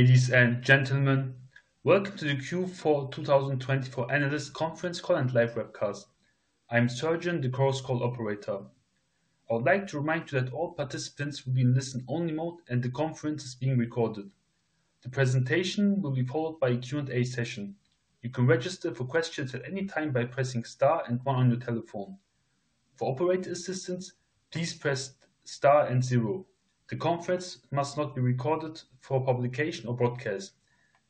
Ladies and gentlemen, welcome to the Q4 2024 Analysts Conference call and live webcast. I'm Sergio, the conference call operator. I would like to remind you that all participants will be in listen-only mode and the conference is being recorded. The presentation will be followed by a Q&A session. You can register for questions at any time by pressing star and one on your telephone. For operator assistance, please press star and zero. The conference must not be recorded for publication or broadcast.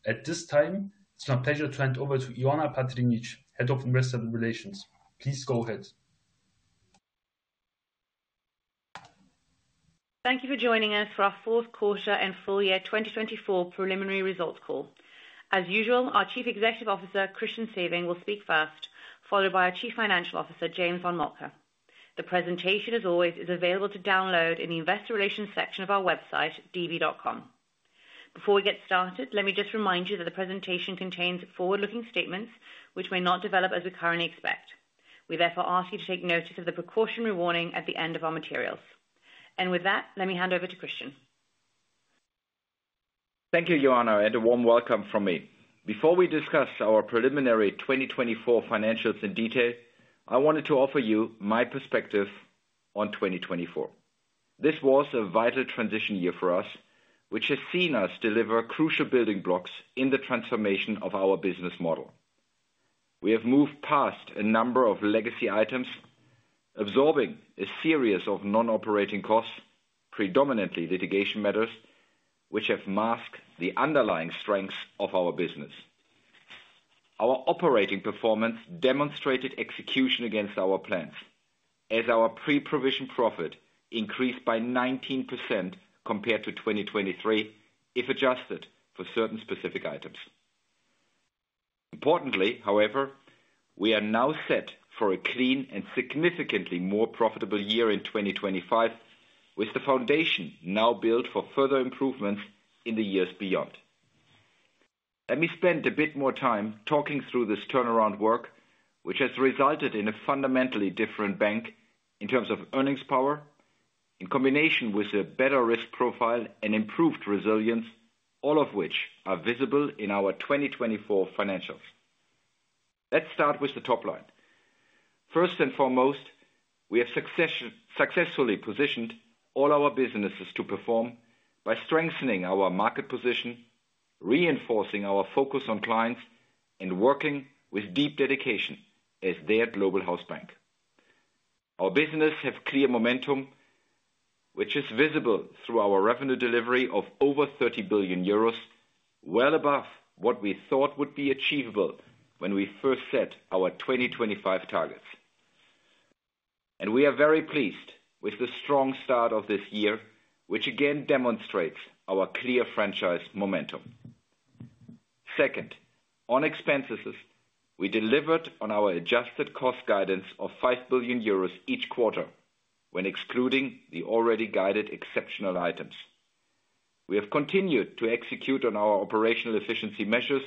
At this time, it's my pleasure to hand over to Ioana Patriniche, Head of Investor Relations. Please go ahead. Thank you for joining us for our fourth quarter and full year 2024 preliminary results call. As usual, our Chief Executive Officer, Christian Sewing, will speak first, followed by our Chief Financial Officer, James von Moltke. The presentation, as always, is available to download in the Investor Relations section of our website, db.com. Before we get started, let me just remind you that the presentation contains forward-looking statements which may not develop as we currently expect. We therefore ask you to take notice of the precautionary warning at the end of our materials. And with that, let me hand over to Christian. Thank you, Ioana, and a warm welcome from me. Before we discuss our preliminary 2024 financials in detail, I wanted to offer you my perspective on 2024. This was a vital transition year for us, which has seen us deliver crucial building blocks in the transformation of our business model. We have moved past a number of legacy items, absorbing a series of non-operating costs, predominantly litigation matters, which have masked the underlying strengths of our business. Our operating performance demonstrated execution against our plans, as our pre-provision profit increased by 19% compared to 2023, if adjusted for certain specific items. Importantly, however, we are now set for a clean and significantly more profitable year in 2025, with the foundation now built for further improvements in the years beyond. Let me spend a bit more time talking through this turnaround work, which has resulted in a fundamentally different bank in terms of earnings power, in combination with a better risk profile and improved resilience, all of which are visible in our 2024 financials. Let's start with the top line. First and foremost, we have successfully positioned all our businesses to perform by strengthening our market position, reinforcing our focus on clients, and working with deep dedication as their global house bank. Our businesses have clear momentum, which is visible through our revenue delivery of over 30 billion euros, well above what we thought would be achievable when we first set our 2025 targets. And we are very pleased with the strong start of this year, which again demonstrates our clear franchise momentum. Second, on expenses, we delivered on our adjusted cost guidance of 5 billion euros each quarter, when excluding the already guided exceptional items. We have continued to execute on our operational efficiency measures,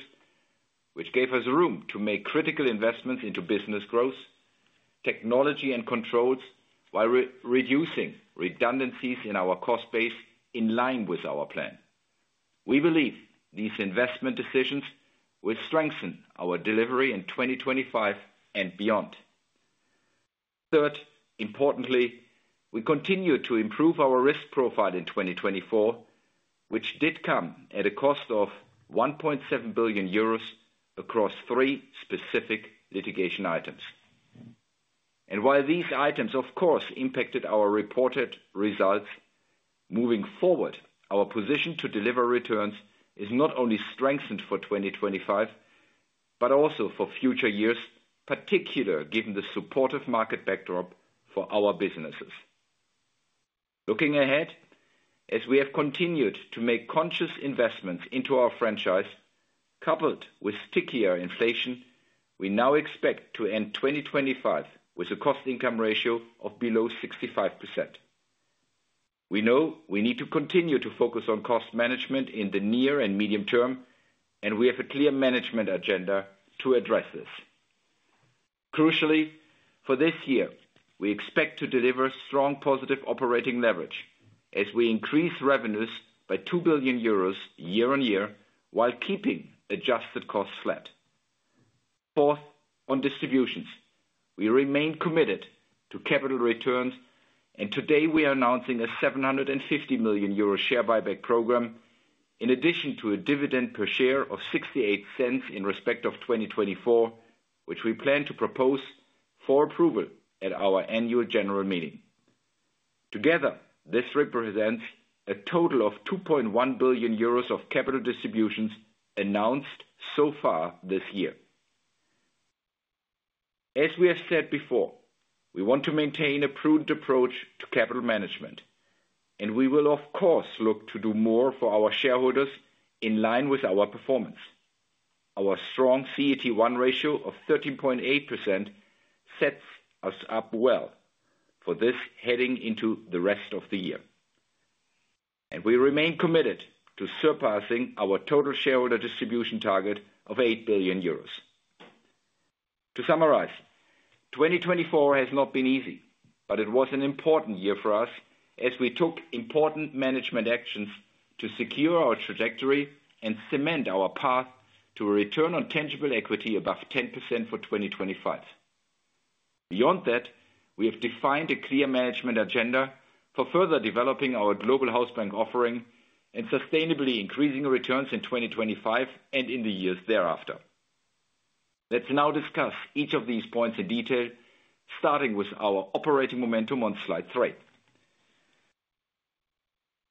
which gave us room to make critical investments into business growth, technology, and controls, while reducing redundancies in our cost base in line with our plan. We believe these investment decisions will strengthen our delivery in 2025 and beyond. Third, importantly, we continue to improve our risk profile in 2024, which did come at a cost of 1.7 billion euros across three specific litigation items, and while these items, of course, impacted our reported results, moving forward, our position to deliver returns is not only strengthened for 2025, but also for future years, particularly given the supportive market backdrop for our businesses. Looking ahead, as we have continued to make conscious investments into our franchise, coupled with stickier inflation, we now expect to end 2025 with a cost-income ratio of below 65%. We know we need to continue to focus on cost management in the near and medium term, and we have a clear management agenda to address this. Crucially, for this year, we expect to deliver strong positive operating leverage as we increase revenues by 2 billion euros year-on-year, while keeping adjusted costs flat. Fourth, on distributions, we remain committed to capital returns, and today we are announcing a 750 million euro share buyback program, in addition to a dividend per share of 0.68 in respect of 2024, which we plan to propose for approval at our annual general meeting. Together, this represents a total of 2.1 billion euros of capital distributions announced so far this year. As we have said before, we want to maintain a prudent approach to capital management, and we will, of course, look to do more for our shareholders in line with our performance. Our strong CET1 ratio of 13.8% sets us up well for this heading into the rest of the year, and we remain committed to surpassing our total shareholder distribution target of 8 billion euros. To summarize, 2024 has not been easy, but it was an important year for us as we took important management actions to secure our trajectory and cement our path to a return on tangible equity above 10% for 2025. Beyond that, we have defined a clear management agenda for further developing our global house bank offering and sustainably increasing returns in 2025 and in the years thereafter. Let's now discuss each of these points in detail, starting with our operating momentum on slide three.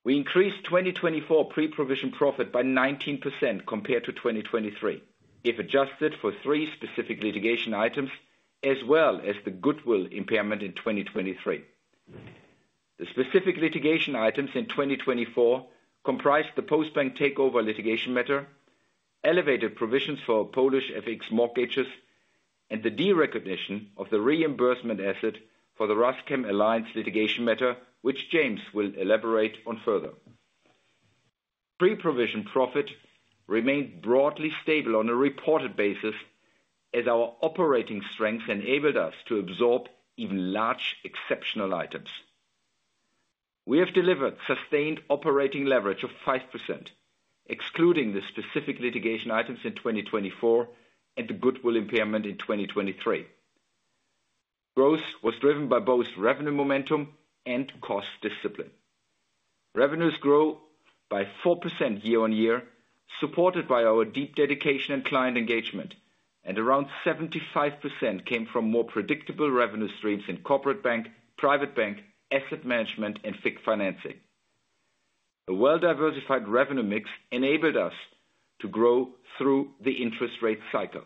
We increased 2024 pre-provision profit by 19% compared to 2023, if adjusted for three specific litigation items, as well as the goodwill impairment in 2023. The specific litigation items in 2024 comprised the Postbank takeover litigation matter, elevated provisions for Polish FX mortgages, and the derecognition of the reimbursement asset for the RusChemAlliance litigation matter, which James will elaborate on further. Pre-provision profit remained broadly stable on a reported basis, as our operating strengths enabled us to absorb even large exceptional items. We have delivered sustained operating leverage of 5%, excluding the specific litigation items in 2024 and the goodwill impairment in 2023. Growth was driven by both revenue momentum and cost discipline. Revenues grew by 4% year-on-year, supported by our deep dedication and client engagement, and around 75% came from more predictable revenue streams in Corporate Bank, Private Bank, Asset Management, and FICC financing. A well-diversified revenue mix enabled us to grow through the interest rate cycle.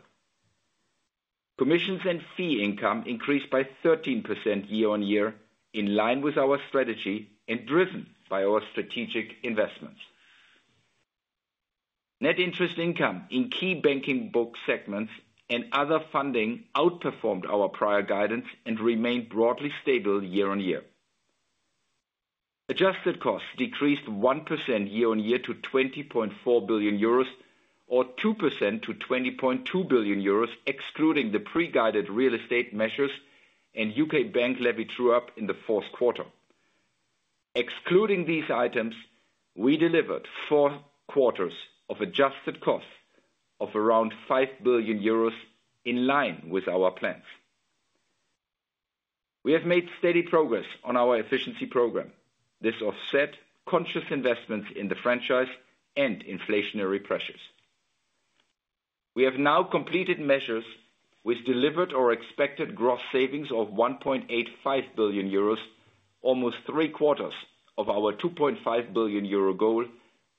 Commissions and fee income increased by 13% year-on-year, in line with our strategy and driven by our strategic investments. Net interest income in key banking book segments and other funding outperformed our prior guidance and remained broadly stable year-on-year. Adjusted costs decreased 1% year-on-year to 20.4 billion euros, or 2% to 20.2 billion euros, excluding the pre-guided real estate measures and UK bank levy true-up in the fourth quarter. Excluding these items, we delivered four quarters of adjusted costs of around 5 billion euros, in line with our plans. We have made steady progress on our efficiency program. This offset conscious investments in the franchise and inflationary pressures. We have now completed measures with delivered or expected gross savings of 1.85 billion euros, almost three quarters of our 2.5 billion euro goal,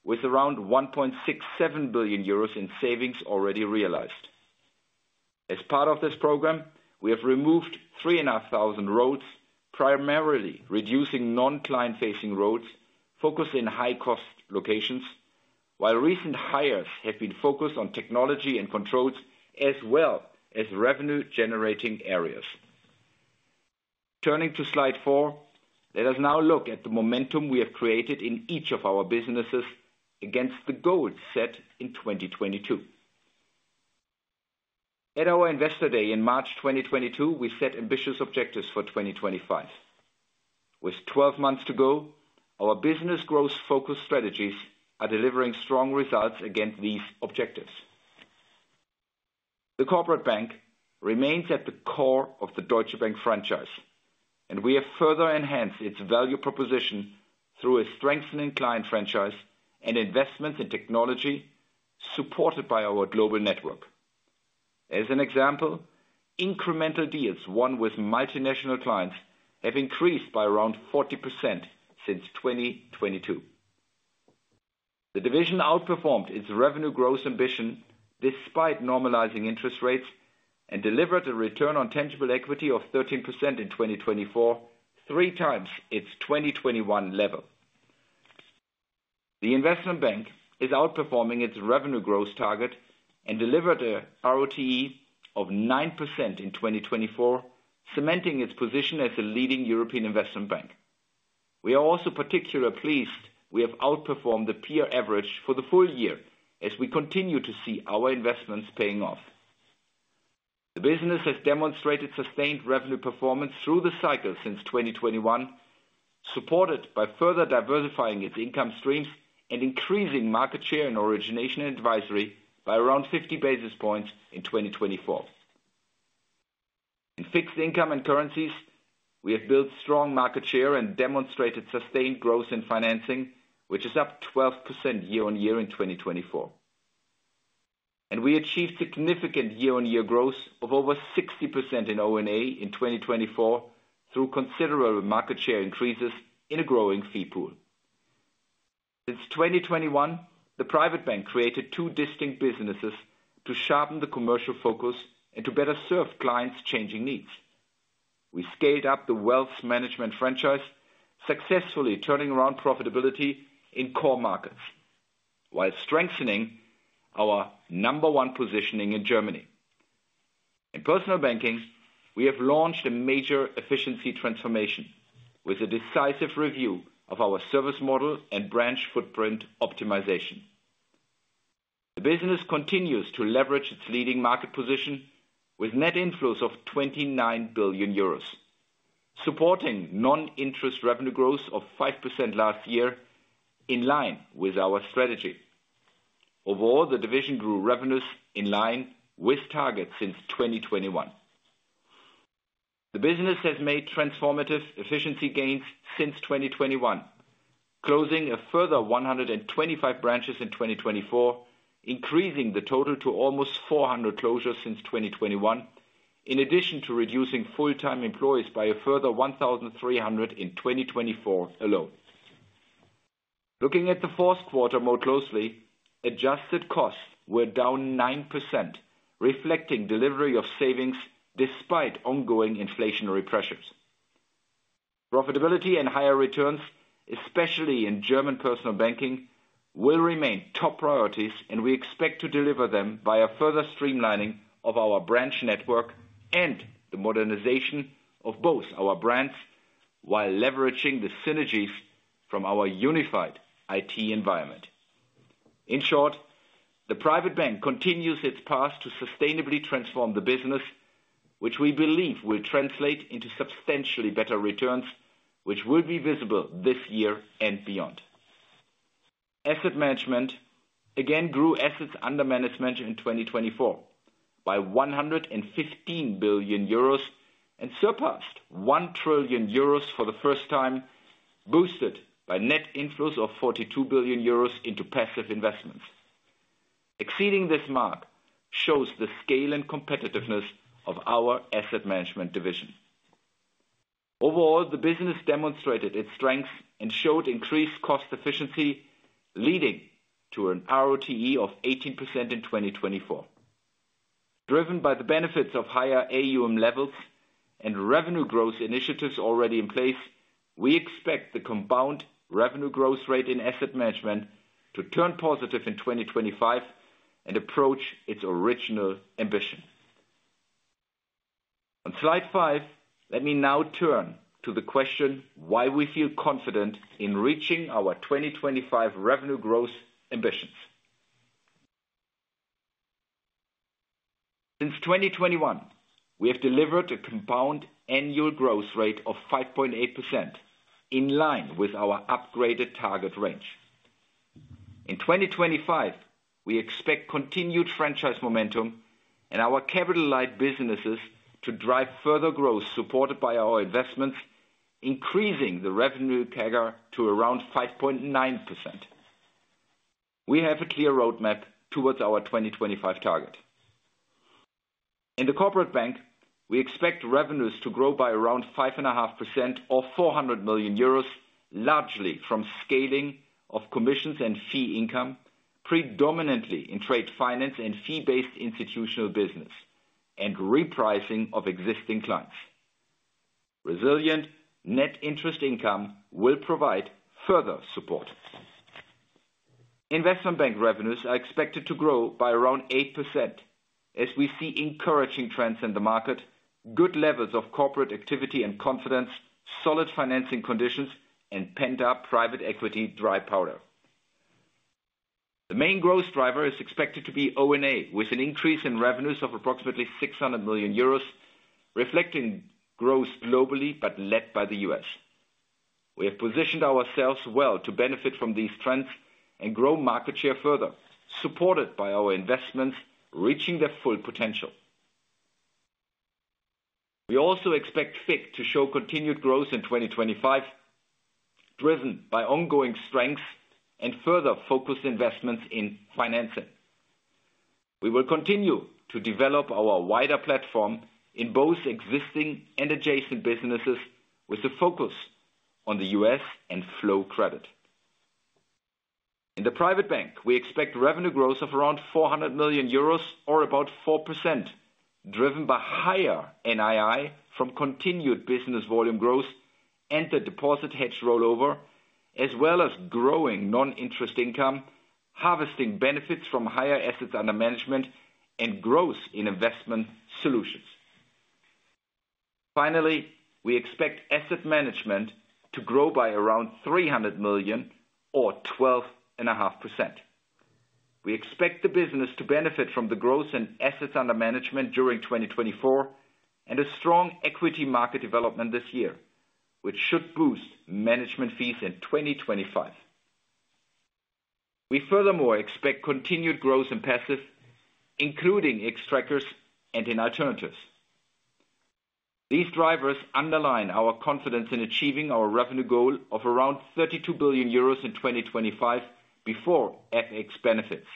with around 1.67 billion euros in savings already realized. As part of this program, we have removed 3,500 roles, primarily reducing non-client-facing roles focused in high-cost locations, while recent hires have been focused on technology and controls, as well as revenue-generating areas. Turning to slide four, let us now look at the momentum we have created in each of our businesses against the goals set in 2022. At our Investor Day in March 2022, we set ambitious objectives for 2025. With 12 months to go, our business growth-focused strategies are delivering strong results against these objectives. The Corporate Bank remains at the core of the Deutsche Bank franchise, and we have further enhanced its value proposition through a strengthening client franchise and investments in technology supported by our global network. As an example, incremental deals won with multinational clients have increased by around 40% since 2022. The division outperformed its revenue growth ambition despite normalizing interest rates and delivered a return on tangible equity of 13% in 2024, three times its 2021 level. The Investment Bank is outperforming its revenue growth target and delivered an ROTE of 9% in 2024, cementing its position as a leading European Investment Bank. We are also particularly pleased we have outperformed the peer average for the full year as we continue to see our investments paying off. The business has demonstrated sustained revenue performance through the cycle since 2021, supported by further diversifying its income streams and increasing market share in origination and advisory by around 50 basis points in 2024. In fixed income and currencies, we have built strong market share and demonstrated sustained growth in financing, which is up 12% year-on-year in 2024, and we achieved significant year-on-year growth of over 60% in O&A in 2024 through considerable market share increases in a growing fee pool. Since 2021, the Private Bank created two distinct businesses to sharpen the commercial focus and to better serve clients' changing needs. We scaled up the wealth management franchise, successfully turning around profitability in core markets, while strengthening our number one positioning in Germany. In Personal Banking, we have launched a major efficiency transformation with a decisive review of our service model and branch footprint optimization. The business continues to leverage its leading market position with net inflows of 29 billion euros, supporting non-interest revenue growth of 5% last year, in line with our strategy. Overall, the division grew revenues in line with targets since 2021. The business has made transformative efficiency gains since 2021, closing a further 125 branches in 2024, increasing the total to almost 400 closures since 2021, in addition to reducing full-time employees by a further 1,300 in 2024 alone. Looking at the fourth quarter more closely, adjusted costs were down 9%, reflecting delivery of savings despite ongoing inflationary pressures. Profitability and higher returns, especially in German Personal Banking, will remain top priorities, and we expect to deliver them via further streamlining of our branch network and the modernization of both our brands, while leveraging the synergies from our unified IT environment. In short, the Private Bank continues its path to sustainably transform the business, which we believe will translate into substantially better returns, which will be visible this year and beyond. Asset management again grew assets under management in 2024 by 115 billion euros and surpassed 1 trillion euros for the first time, boosted by net inflows of 42 billion euros into passive investments. Exceeding this mark shows the scale and competitiveness of our asset management division. Overall, the business demonstrated its strengths and showed increased cost efficiency, leading to an ROTE of 18% in 2024. Driven by the benefits of higher AUM levels and revenue growth initiatives already in place, we expect the combined revenue growth rate in asset management to turn positive in 2025 and approach its original ambition. On slide five, let me now turn to the question why we feel confident in reaching our 2025 revenue growth ambitions. Since 2021, we have delivered a combined annual growth rate of 5.8%, in line with our upgraded target range. In 2025, we expect continued franchise momentum and our capital-like businesses to drive further growth supported by our investments, increasing the revenue CAGR to around 5.9%. We have a clear roadmap towards our 2025 target. In the Corporate Bank, we expect revenues to grow by around 5.5% or 400 million euros, largely from scaling of commissions and fee income, predominantly in trade finance and fee-based institutional business, and repricing of existing clients. Resilient net interest income will provide further support. Investment Bank revenues are expected to grow by around 8% as we see encouraging trends in the market, good levels of corporate activity and confidence, solid financing conditions, and pent-up private equity dry powder. The main growth driver is expected to be O&A, with an increase in revenues of approximately 600 million euros, reflecting growth globally but led by the U.S. We have positioned ourselves well to benefit from these trends and grow market share further, supported by our investments reaching their full potential. We also expect FICC to show continued growth in 2025, driven by ongoing strengths and further focused investments in financing. We will continue to develop our wider platform in both existing and adjacent businesses, with a focus on the U.S. and flow credit. In the Private Bank, we expect revenue growth of around 400 million euros, or about 4%, driven by higher NII from continued business volume growth and the deposit hedge rollover, as well as growing non-interest income, harvesting benefits from higher assets under management, and growth in investment solutions. Finally, we expect asset management to grow by around 300 million, or 12.5%. We expect the business to benefit from the growth in assets under management during 2024 and a strong equity market development this year, which should boost management fees in 2025. We furthermore expect continued growth in passive, including Xtrackers and in alternatives. These drivers underline our confidence in achieving our revenue goal of around 32 billion euros in 2025 before FX benefits.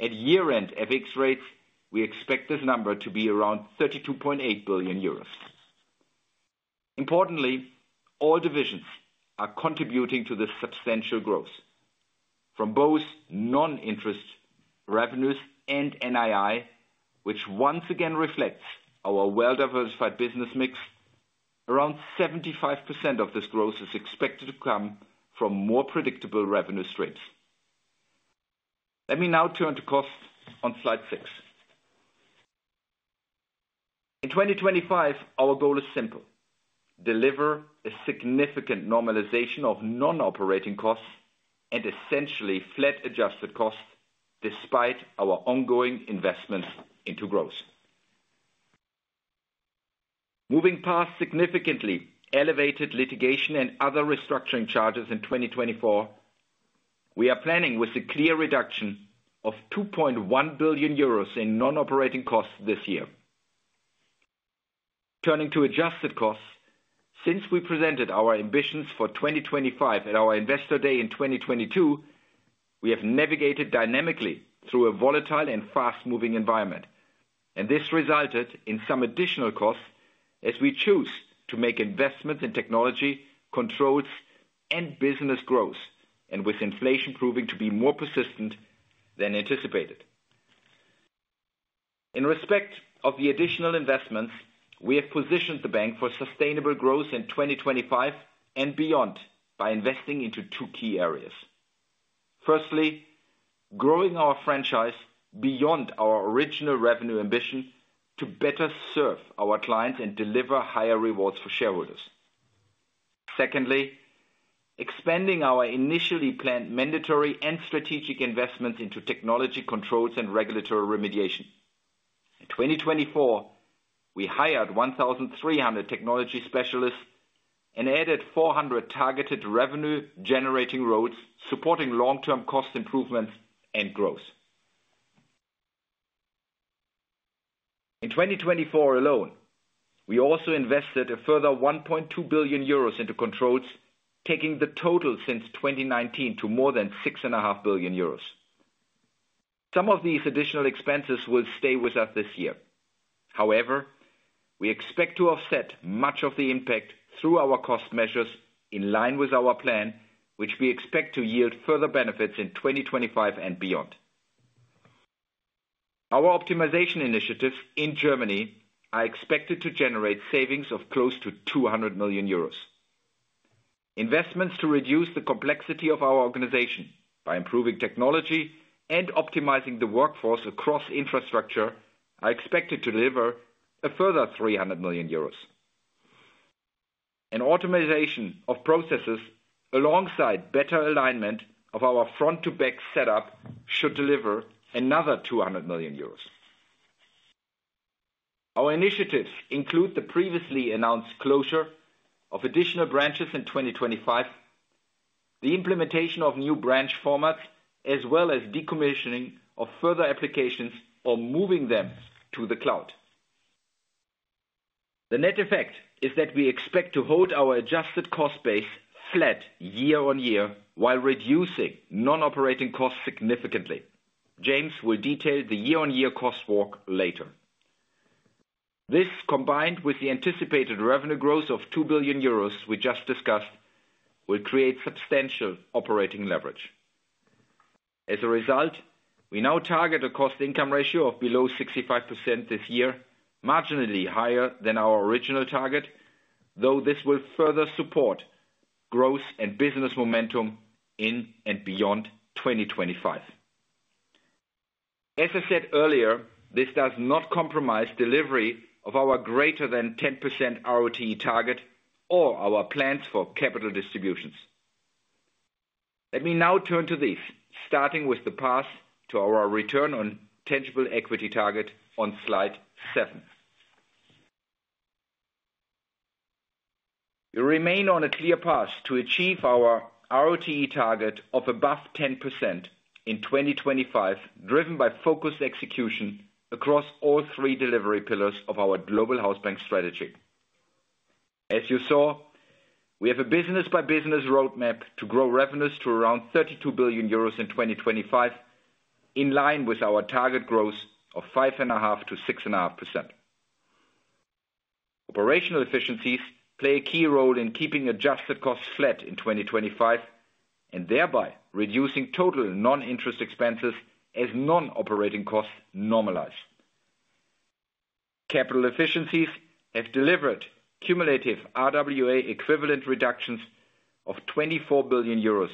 At year-end FX rates, we expect this number to be around 32.8 billion euros. Importantly, all divisions are contributing to this substantial growth, from both non-interest revenues and NII, which once again reflects our well-diversified business mix. Around 75% of this growth is expected to come from more predictable revenue streams. Let me now turn to costs on slide six. In 2025, our goal is simple: deliver a significant normalization of non-operating costs and essentially flat adjusted costs despite our ongoing investments into growth. Moving past significantly elevated litigation and other restructuring charges in 2024, we are planning with a clear reduction of 2.1 billion euros in non-operating costs this year. Turning to adjusted costs, since we presented our ambitions for 2025 at our Investor Day in 2022, we have navigated dynamically through a volatile and fast-moving environment, and this resulted in some additional costs as we choose to make investments in technology, controls, and business growth, and with inflation proving to be more persistent than anticipated. In respect of the additional investments, we have positioned the bank for sustainable growth in 2025 and beyond by investing into two key areas. Firstly, growing our franchise beyond our original revenue ambition to better serve our clients and deliver higher rewards for shareholders. Secondly, expanding our initially planned mandatory and strategic investments into technology, controls, and regulatory remediation. In 2024, we hired 1,300 technology specialists and added 400 targeted revenue-generating roles, supporting long-term cost improvements and growth. In 2024 alone, we also invested a further 1.2 billion euros into controls, taking the total since 2019 to more than 6.5 billion euros. Some of these additional expenses will stay with us this year. However, we expect to offset much of the impact through our cost measures in line with our plan, which we expect to yield further benefits in 2025 and beyond. Our optimization initiatives in Germany are expected to generate savings of close to 200 million euros. Investments to reduce the complexity of our organization by improving technology and optimizing the workforce across infrastructure are expected to deliver a further 300 million euros. Automation of processes, alongside better alignment of our front-to-back setup, should deliver another 200 million euros. Our initiatives include the previously announced closure of additional branches in 2025, the implementation of new branch formats, as well as decommissioning of further applications or moving them to the cloud. The net effect is that we expect to hold our adjusted cost base flat year-on-year while reducing non-operating costs significantly. James will detail the year-on-year cost walk later. This, combined with the anticipated revenue growth of 2 billion euros we just discussed, will create substantial operating leverage. As a result, we now target a cost-income ratio of below 65% this year, marginally higher than our original target, though this will further support growth and business momentum in and beyond 2025. As I said earlier, this does not compromise delivery of our greater-than-10% ROTE target or our plans for capital distributions. Let me now turn to these, starting with the path to our return on tangible equity target on slide seven. We remain on a clear path to achieve our ROTE target of above 10% in 2025, driven by focused execution across all three delivery pillars of our Global Hausbank strategy. As you saw, we have a business-by-business roadmap to grow revenues to around 32 billion euros in 2025, in line with our target growth of 5.5%-6.5%. Operational efficiencies play a key role in keeping adjusted costs flat in 2025 and thereby reducing total non-interest expenses as non-operating costs normalize. Capital efficiencies have delivered cumulative RWA-equivalent reductions of 24 billion euros,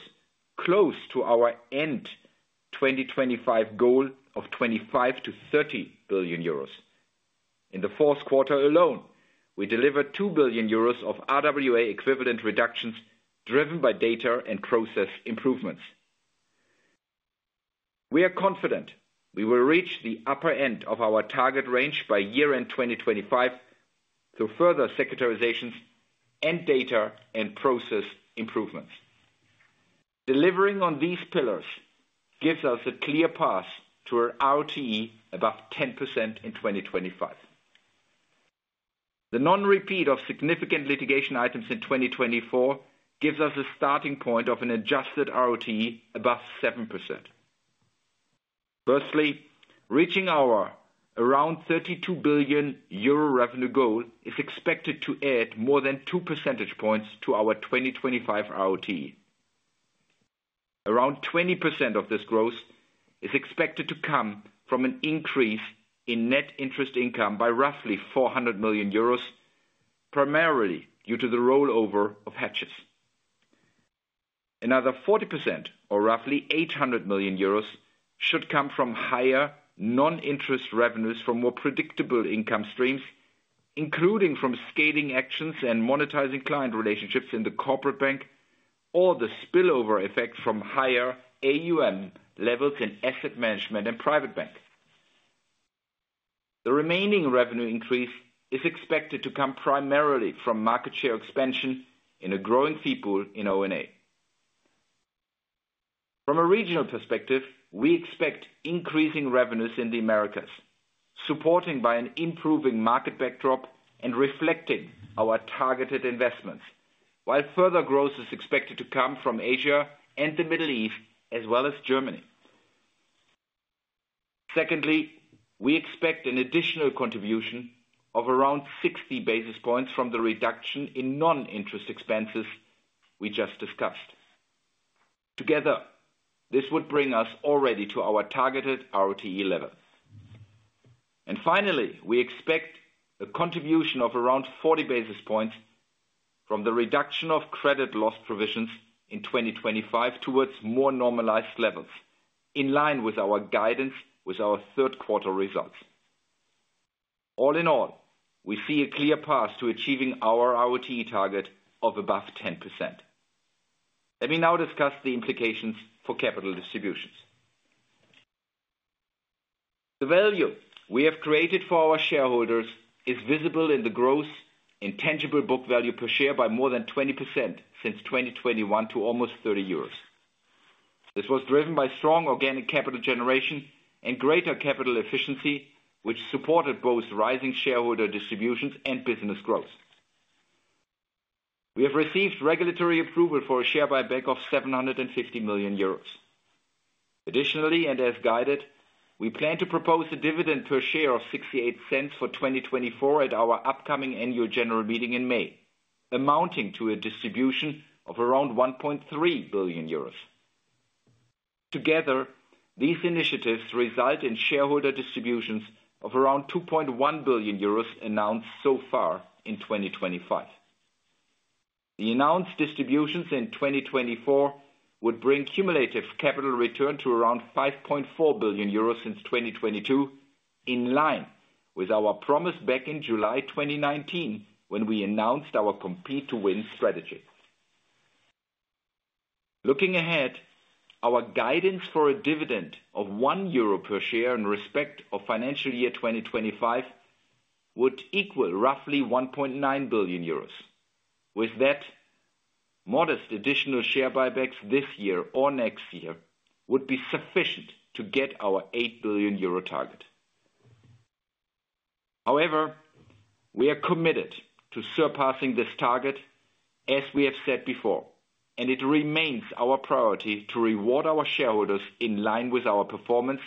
close to our end-2025 goal of 25-30 billion euros. In the fourth quarter alone, we delivered 2 billion euros of RWA-equivalent reductions driven by data and process improvements. We are confident we will reach the upper end of our target range by year-end 2025 through further securitizations and data and process improvements. Delivering on these pillars gives us a clear path to an ROTE above 10% in 2025. The non-repeat of significant litigation items in 2024 gives us a starting point of an adjusted ROTE above 7%. Firstly, reaching our around 32 billion euro revenue goal is expected to add more than 2 percentage points to our 2025 ROTE. Around 20% of this growth is expected to come from an increase in net interest income by roughly 400 million euros, primarily due to the rollover of hedges. Another 40%, or roughly 800 million euros, should come from higher non-interest revenues from more predictable income streams, including from scaling actions and monetizing client relationships in the Corporate Bank, or the spillover effect from higher AUM levels in asset management and Private Bank. The remaining revenue increase is expected to come primarily from market share expansion in a growing fee pool in O&A. From a regional perspective, we expect increasing revenues in the Americas, supported by an improving market backdrop and reflecting our targeted investments, while further growth is expected to come from Asia and the Middle East, as well as Germany. Secondly, we expect an additional contribution of around 60 basis points from the reduction in non-interest expenses we just discussed. Together, this would bring us already to our targeted ROTE level. And finally, we expect a contribution of around 40 basis points from the reduction of credit loss provisions in 2025 towards more normalized levels, in line with our guidance with our third quarter results. All in all, we see a clear path to achieving our ROTE target of above 10%. Let me now discuss the implications for capital distributions. The value we have created for our shareholders is visible in the growth in tangible book value per share by more than 20% since 2021 to almost 30 euros. This was driven by strong organic capital generation and greater capital efficiency, which supported both rising shareholder distributions and business growth. We have received regulatory approval for a share buyback of 750 million euros. Additionally, and as guided, we plan to propose a dividend per share of 0.68 for 2024 at our upcoming Annual General Meeting in May, amounting to a distribution of around 1.3 billion euros. Together, these initiatives result in shareholder distributions of around 2.1 billion euros announced so far in 2025. The announced distributions in 2024 would bring cumulative capital return to around 5.4 billion euros since 2022, in line with our promise back in July 2019 when we announced our Compete to Win strategy. Looking ahead, our guidance for a dividend of 1 euro per share in respect of financial year 2025 would equal roughly 1.9 billion euros. With that, modest additional share buybacks this year or next year would be sufficient to get our 8 billion euro target. However, we are committed to surpassing this target, as we have said before, and it remains our priority to reward our shareholders in line with our performance,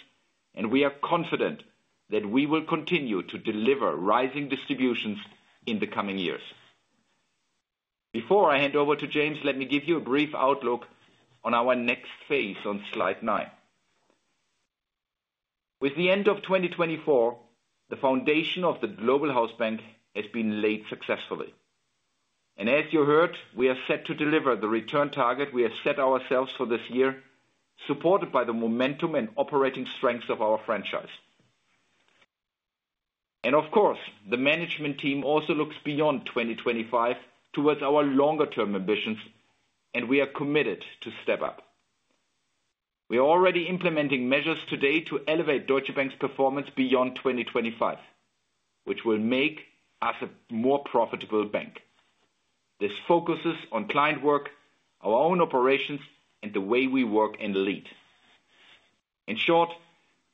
and we are confident that we will continue to deliver rising distributions in the coming years. Before I hand over to James, let me give you a brief outlook on our next phase on slide nine. With the end of 2024, the foundation of the Global Hausbank has been laid successfully, and as you heard, we are set to deliver the return target we have set ourselves for this year, supported by the momentum and operating strengths of our franchise. Of course, the management team also looks beyond 2025 toward our longer-term ambitions, and we are committed to step up. We are already implementing measures today to elevate Deutsche Bank's performance beyond 2025, which will make us a more profitable bank. This focuses on client work, our own operations, and the way we work and lead. In short,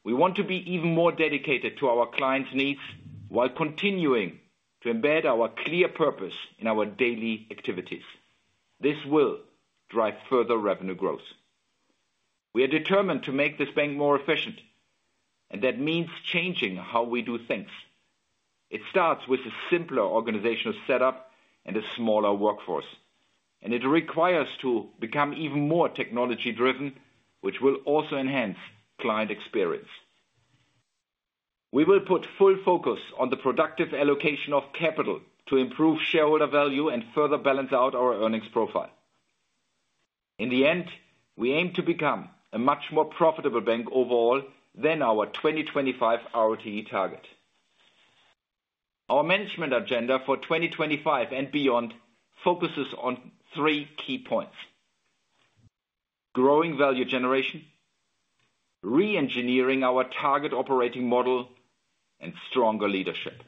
we want to be even more dedicated to our clients' needs while continuing to embed our clear purpose in our daily activities. This will drive further revenue growth. We are determined to make this bank more efficient, and that means changing how we do things. It starts with a simpler organizational setup and a smaller workforce, and it requires us to become even more technology-driven, which will also enhance client experience. We will put full focus on the productive allocation of capital to improve shareholder value and further balance out our earnings profile. In the end, we aim to become a much more profitable bank overall than our 2025 ROTE target. Our management agenda for 2025 and beyond focuses on three key points: growing value generation, re-engineering our target operating model, and stronger leadership.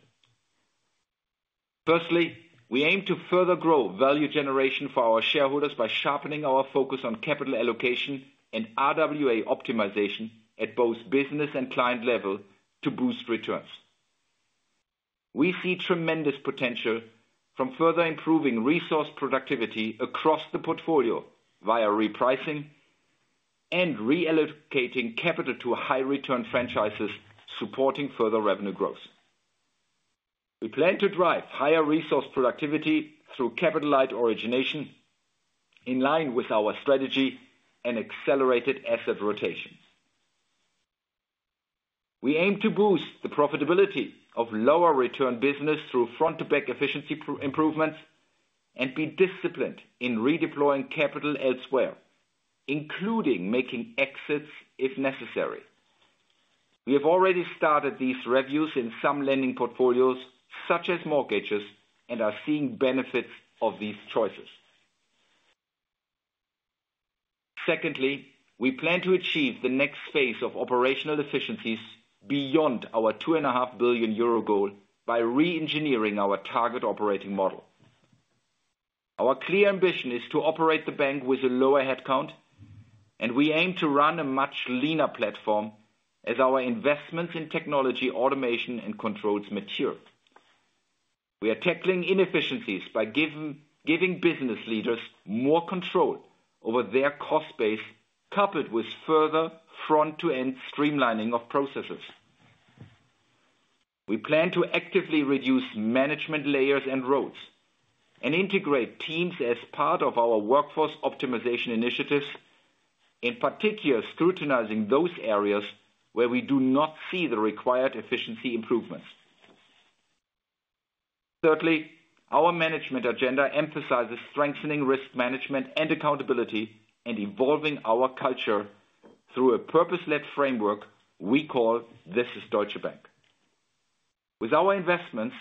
Firstly, we aim to further grow value generation for our shareholders by sharpening our focus on capital allocation and RWA optimization at both business and client level to boost returns. We see tremendous potential from further improving resource productivity across the portfolio via repricing and reallocating capital to high-return franchises, supporting further revenue growth. We plan to drive higher resource productivity through capital-light origination, in line with our strategy and accelerated asset rotation. We aim to boost the profitability of lower-return business through front-to-back efficiency improvements and be disciplined in redeploying capital elsewhere, including making exits if necessary. We have already started these exits in some lending portfolios, such as mortgages, and are seeing benefits of these choices. Secondly, we plan to achieve the next phase of operational efficiencies beyond our 2.5 billion euro goal by re-engineering our target operating model. Our clear ambition is to operate the bank with a lower headcount, and we aim to run a much leaner platform as our investments in technology, automation, and controls mature. We are tackling inefficiencies by giving business leaders more control over their cost base, coupled with further front-to-end streamlining of processes. We plan to actively reduce management layers and roles and integrate teams as part of our workforce optimization initiatives, in particular scrutinizing those areas where we do not see the required efficiency improvements. Thirdly, our management agenda emphasizes strengthening risk management and accountability and evolving our culture through a purpose-led framework we call This is Deutsche Bank. With our investments,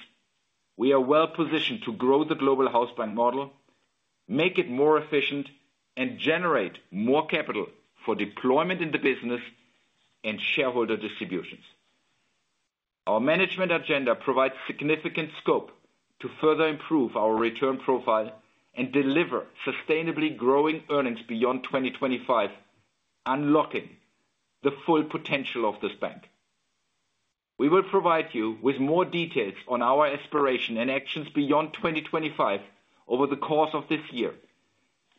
we are well-positioned to grow the Global Hausbank model, make it more efficient, and generate more capital for deployment in the business and shareholder distributions. Our management agenda provides significant scope to further improve our return profile and deliver sustainably growing earnings beyond 2025, unlocking the full potential of this bank. We will provide you with more details on our aspiration and actions beyond 2025 over the course of this year,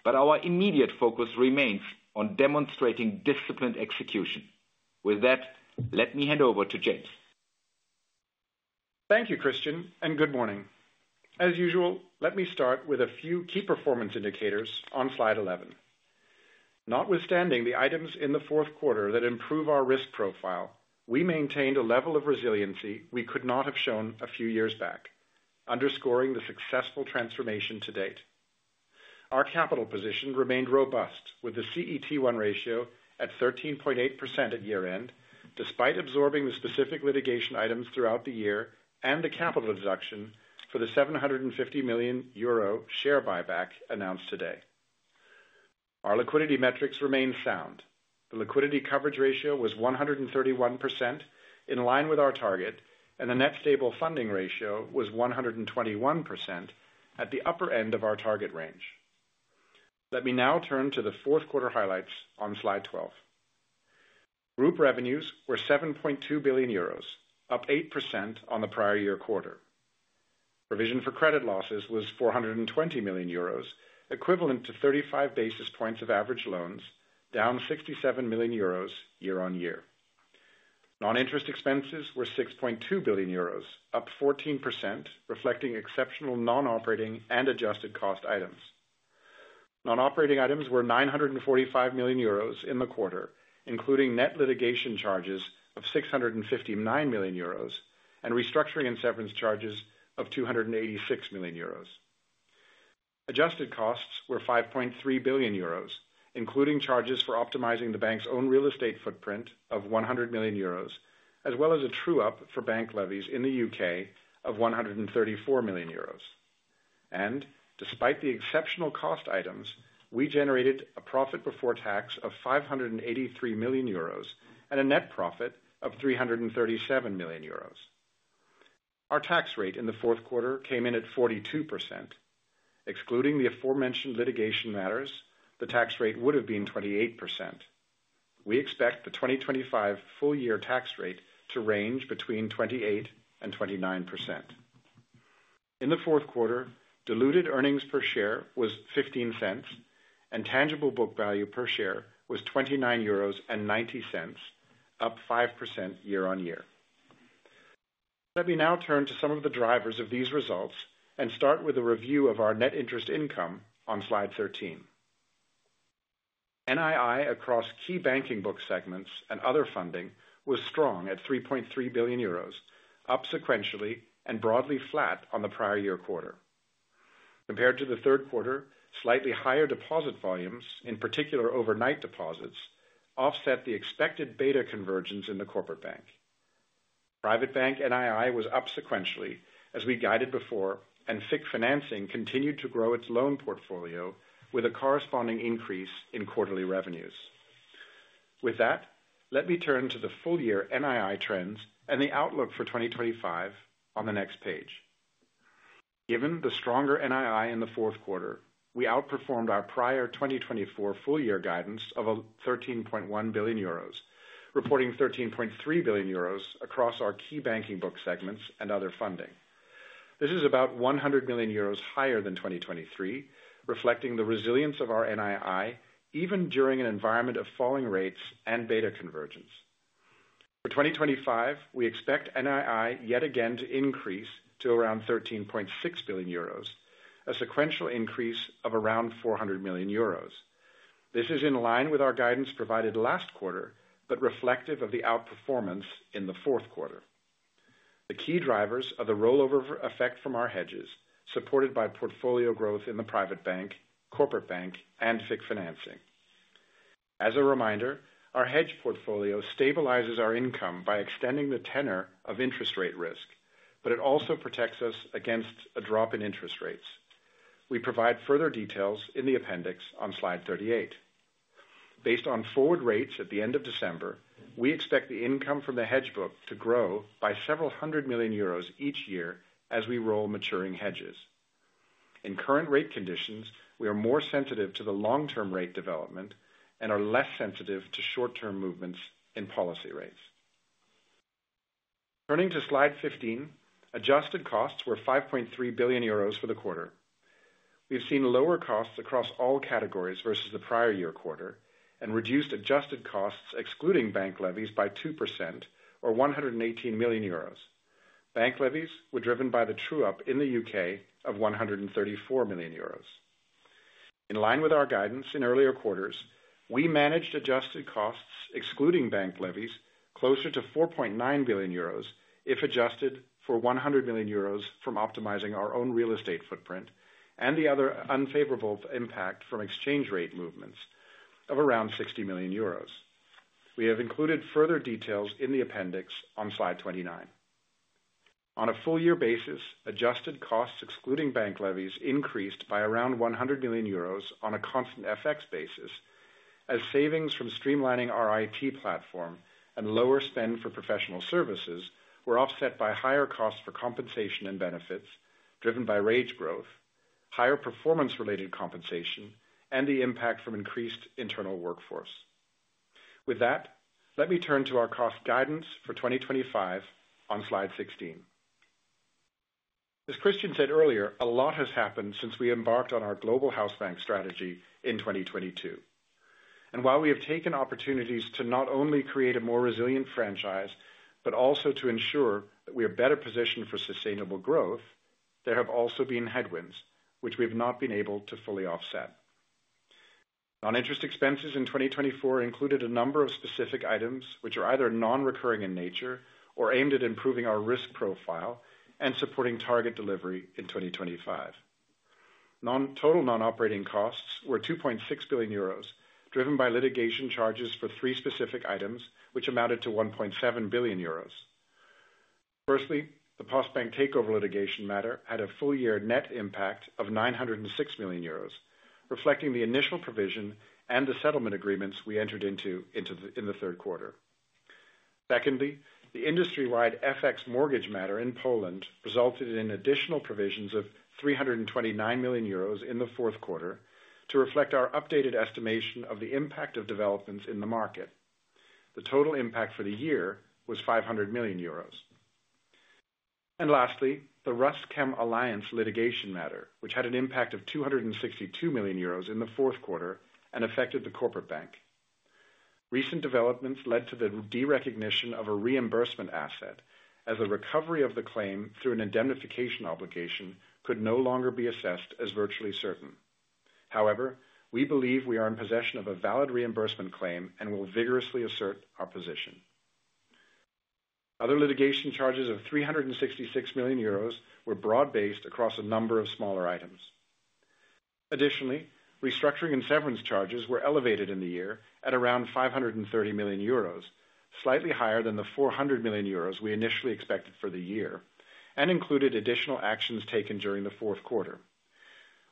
but our immediate focus remains on demonstrating disciplined execution. With that, let me hand over to James. Thank you, Christian, and good morning. As usual, let me start with a few key performance indicators on slide 11. Notwithstanding the items in the fourth quarter that improve our risk profile, we maintained a level of resiliency we could not have shown a few years back, underscoring the successful transformation to date. Our capital position remained robust, with the CET1 ratio at 13.8% at year-end, despite absorbing the specific litigation items throughout the year and the capital deduction for the 750 million euro share buyback announced today. Our liquidity metrics remain sound. The liquidity coverage ratio was 131%, in line with our target, and the net stable funding ratio was 121%, at the upper end of our target range. Let me now turn to the fourth quarter highlights on slide 12. Group revenues were 7.2 billion euros, up eight% on the prior year quarter. Provision for credit losses was 420 million euros, equivalent to 35 basis points of average loans, down 67 million euros year-on-year. Non-interest expenses were 6.2 billion euros, up 14%, reflecting exceptional non-operating and adjusted cost items. Non-operating items were 945 million euros in the quarter, including net litigation charges of 659 million euros and restructuring and severance charges of 286 million euros. Adjusted costs were 5.3 billion euros, including charges for optimizing the bank's own real estate footprint of 100 million euros, as well as a true-up for bank levies in the U.K. of 134 million euros, and despite the exceptional cost items, we generated a profit before tax of 583 million euros and a net profit of 337 million euros. Our tax rate in the fourth quarter came in at 42%. Excluding the aforementioned litigation matters, the tax rate would have been 28%. We expect the 2025 full-year tax rate to range between 28% and 29%. In the fourth quarter, diluted earnings per share was 0.15, and tangible book value per share was 29.90 euros, up 5% year-on-year. Let me now turn to some of the drivers of these results and start with a review of our net interest income on slide 13. NII across key banking book segments and other funding was strong at 3.3 billion euros, up sequentially and broadly flat on the prior year quarter. Compared to the third quarter, slightly higher deposit volumes, in particular overnight deposits, offset the expected beta convergence in the Corporate Bank. Private Bank NII was up sequentially, as we guided before, and FICC financing continued to grow its loan portfolio with a corresponding increase in quarterly revenues. With that, let me turn to the full-year NII trends and the outlook for 2025 on the next page. Given the stronger NII in the fourth quarter, we outperformed our prior 2024 full-year guidance of 13.1 billion euros, reporting 13.3 billion euros across our key banking book segments and other funding. This is about 100 million euros higher than 2023, reflecting the resilience of our NII even during an environment of falling rates and beta convergence. For 2025, we expect NII yet again to increase to around 13.6 billion euros, a sequential increase of around 400 million euros. This is in line with our guidance provided last quarter but reflective of the outperformance in the fourth quarter. The key drivers are the rollover effect from our hedges, supported by portfolio growth in the Private Bank, Corporate Bank, and FICC financing. As a reminder, our hedge portfolio stabilizes our income by extending the tenor of interest rate risk, but it also protects us against a drop in interest rates. We provide further details in the appendix on slide 38. Based on forward rates at the end of December, we expect the income from the hedge book to grow by several hundred million EUR each year as we roll maturing hedges. In current rate conditions, we are more sensitive to the long-term rate development and are less sensitive to short-term movements in policy rates. Turning to slide 15, adjusted costs were 5.3 billion euros for the quarter. We have seen lower costs across all categories versus the prior year quarter and reduced adjusted costs excluding bank levies by 2%, or 118 million euros. Bank levies were driven by the true-up in the U.K. of 134 million euros. In line with our guidance in earlier quarters, we managed adjusted costs excluding bank levies closer to 4.9 billion euros if adjusted for 100 million euros from optimizing our own real estate footprint and the other unfavorable impact from exchange rate movements of around 60 million euros. We have included further details in the appendix on slide 29. On a full-year basis, adjusted costs excluding bank levies increased by around 100 million euros on a constant FX basis, as savings from streamlining our IT platform and lower spend for professional services were offset by higher costs for compensation and benefits driven by rate growth, higher performance-related compensation, and the impact from increased internal workforce. With that, let me turn to our cost guidance for 2025 on slide 16. As Christian said earlier, a lot has happened since we embarked on our Global Hausbank strategy in 2022. And while we have taken opportunities to not only create a more resilient franchise but also to ensure that we are better positioned for sustainable growth, there have also been headwinds, which we have not been able to fully offset. Non-interest expenses in 2024 included a number of specific items which are either non-recurring in nature or aimed at improving our risk profile and supporting target delivery in 2025. Total non-operating costs were 2.6 billion euros, driven by litigation charges for three specific items, which amounted to 1.7 billion euros. Firstly, the Postbank takeover litigation matter had a full-year net impact of 906 million euros, reflecting the initial provision and the settlement agreements we entered into in the third quarter. Secondly, the industry-wide FX mortgage matter in Poland resulted in additional provisions of 329 million euros in the fourth quarter, to reflect our updated estimation of the impact of developments in the market. The total impact for the year was 500 million euros. And lastly, the RusChemAlliance litigation matter, which had an impact of 262 million euros in the fourth quarter and affected the Corporate Bank. Recent developments led to the derecognition of a reimbursement asset, as a recovery of the claim through an indemnification obligation could no longer be assessed as virtually certain. However, we believe we are in possession of a valid reimbursement claim and will vigorously assert our position. Other litigation charges of 366 million euros were broad-based across a number of smaller items. Additionally, restructuring and severance charges were elevated in the year at around 530 million euros, slightly higher than the 400 million euros we initially expected for the year, and included additional actions taken during the fourth quarter.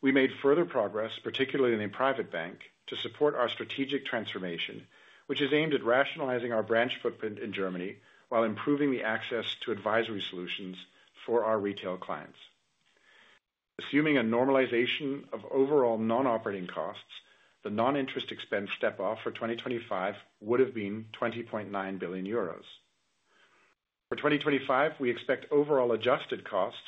We made further progress, particularly in the Private Bank, to support our strategic transformation, which is aimed at rationalizing our branch footprint in Germany while improving the access to advisory solutions for our retail clients. Assuming a normalization of overall non-operating costs, the non-interest expense step-off for 2025 would have been 20.9 billion euros. For 2025, we expect overall adjusted costs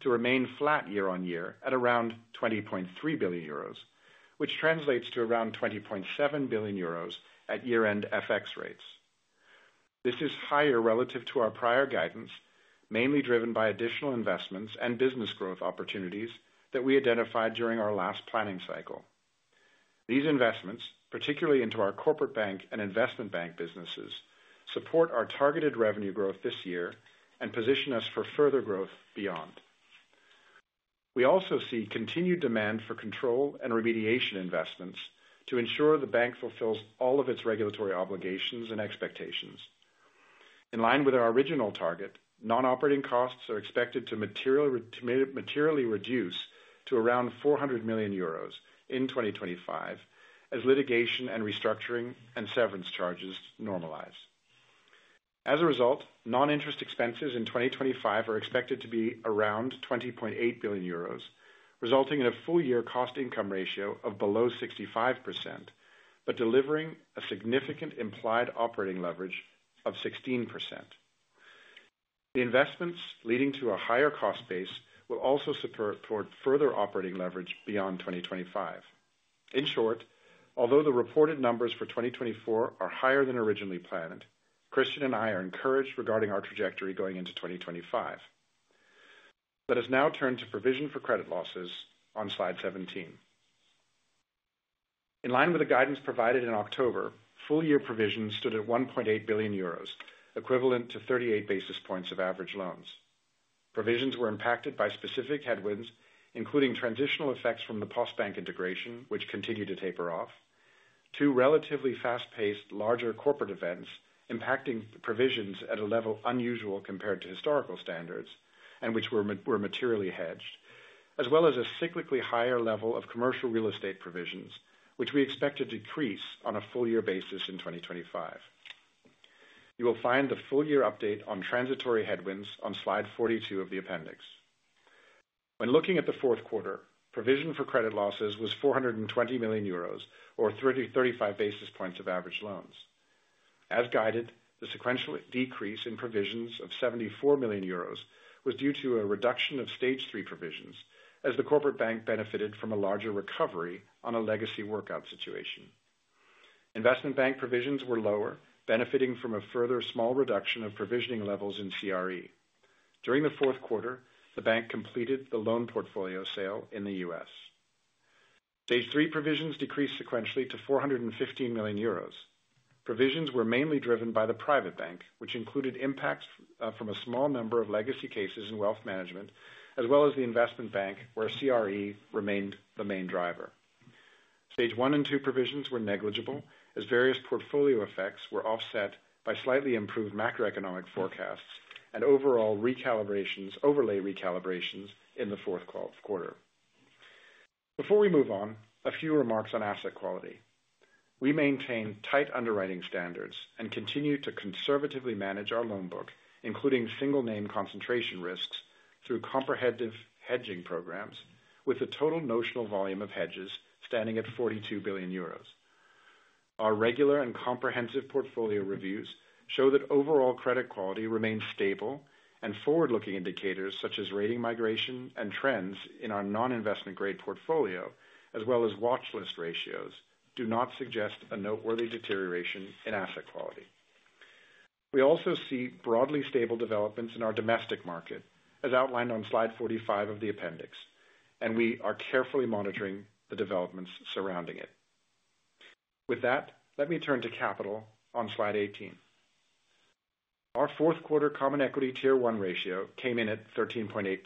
to remain flat year-on-year at around 20.3 billion euros, which translates to around 20.7 billion euros at year-end FX rates. This is higher relative to our prior guidance, mainly driven by additional investments and business growth opportunities that we identified during our last planning cycle. These investments, particularly into our Corporate Bank and Investment Bank businesses, support our targeted revenue growth this year and position us for further growth beyond. We also see continued demand for control and remediation investments to ensure the bank fulfills all of its regulatory obligations and expectations. In line with our original target, non-operating costs are expected to materially reduce to around 400 million euros in 2025, as litigation and restructuring and severance charges normalize. As a result, non-interest expenses in 2025 are expected to be around 20.8 billion euros, resulting in a full-year cost-income ratio of below 65%, but delivering a significant implied operating leverage of 16%. The investments leading to a higher cost base will also support further operating leverage beyond 2025. In short, although the reported numbers for 2024 are higher than originally planned, Christian and I are encouraged regarding our trajectory going into 2025. Let us now turn to provision for credit losses on slide 17. In line with the guidance provided in October, full-year provisions stood at 1.8 billion euros, equivalent to 38 basis points of average loans. Provisions were impacted by specific headwinds, including transitional effects from the Postbank integration, which continued to taper off, two relatively fast-paced, larger corporate events impacting provisions at a level unusual compared to historical standards and which were materially hedged, as well as a cyclically higher level of commercial real estate provisions, which we expected to decrease on a full-year basis in 2025. You will find the full-year update on transitory headwinds on slide 42 of the appendix. When looking at the fourth quarter, provision for credit losses was 420 million euros, or 335 basis points of average loans. As guided, the sequential decrease in provisions of 74 million euros was due to a reduction of stage three provisions, as the Corporate Bank benefited from a larger recovery on a legacy workout situation. Investment Bank provisions were lower, benefiting from a further small reduction of provisioning levels in CRE. During the fourth quarter, the bank completed the loan portfolio sale in the U.S. Stage three provisions decreased sequentially to 415 million euros. Provisions were mainly driven by the Private Bank, which included impacts from a small number of legacy cases in wealth management, as well as the Investment Bank, where CRE remained the main driver. Stage one and two provisions were negligible, as various portfolio effects were offset by slightly improved macroeconomic forecasts and overall recalibrations, overlay recalibrations in the fourth quarter. Before we move on, a few remarks on asset quality. We maintain tight underwriting standards and continue to conservatively manage our loan book, including single-name concentration risks through comprehensive hedging programs, with a total notional volume of hedges standing at 42 billion euros. Our regular and comprehensive portfolio reviews show that overall credit quality remains stable, and forward-looking indicators such as rating migration and trends in our non-investment-grade portfolio, as well as watchlist ratios, do not suggest a noteworthy deterioration in asset quality. We also see broadly stable developments in our domestic market, as outlined on slide 45 of the appendix, and we are carefully monitoring the developments surrounding it. With that, let me turn to capital on slide 18. Our fourth quarter common equity tier one ratio came in at 13.8%.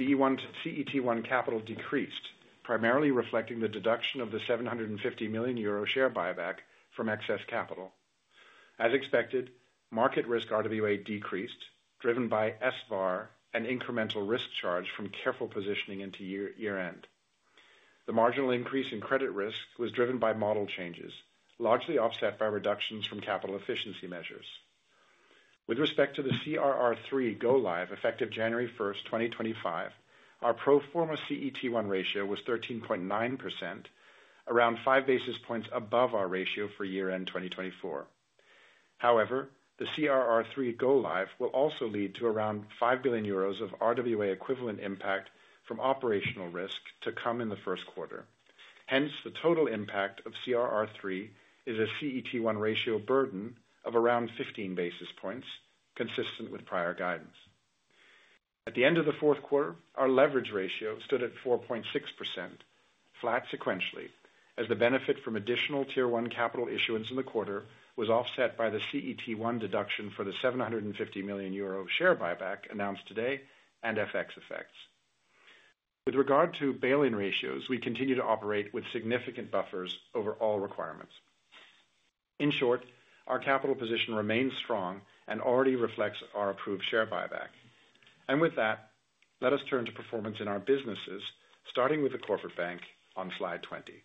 CET1 capital decreased, primarily reflecting the deduction of the 750 million euro share buyback from excess capital. As expected, market risk RWA decreased, driven by SVaR and incremental risk charge from careful positioning into year-end. The marginal increase in credit risk was driven by model changes, largely offset by reductions from capital efficiency measures. With respect to the CRR3 go-live, effective January 1, 2025, our pro forma CET1 ratio was 13.9%, around five basis points above our ratio for year-end 2024. However, the CRR3 go-live will also lead to around 5 billion euros of RWA-equivalent impact from operational risk to come in the first quarter. Hence, the total impact of CRR3 is a CET1 ratio burden of around 15 basis points, consistent with prior guidance. At the end of the fourth quarter, our leverage ratio stood at 4.6%, flat sequentially, as the benefit from additional tier one capital issuance in the quarter was offset by the CET1 deduction for the 750 million euro share buyback announced today and FX effects. With regard to bail-in ratios, we continue to operate with significant buffers over all requirements. In short, our capital position remains strong and already reflects our approved share buyback. With that, let us turn to performance in our businesses, starting with the Corporate Bank on slide 20.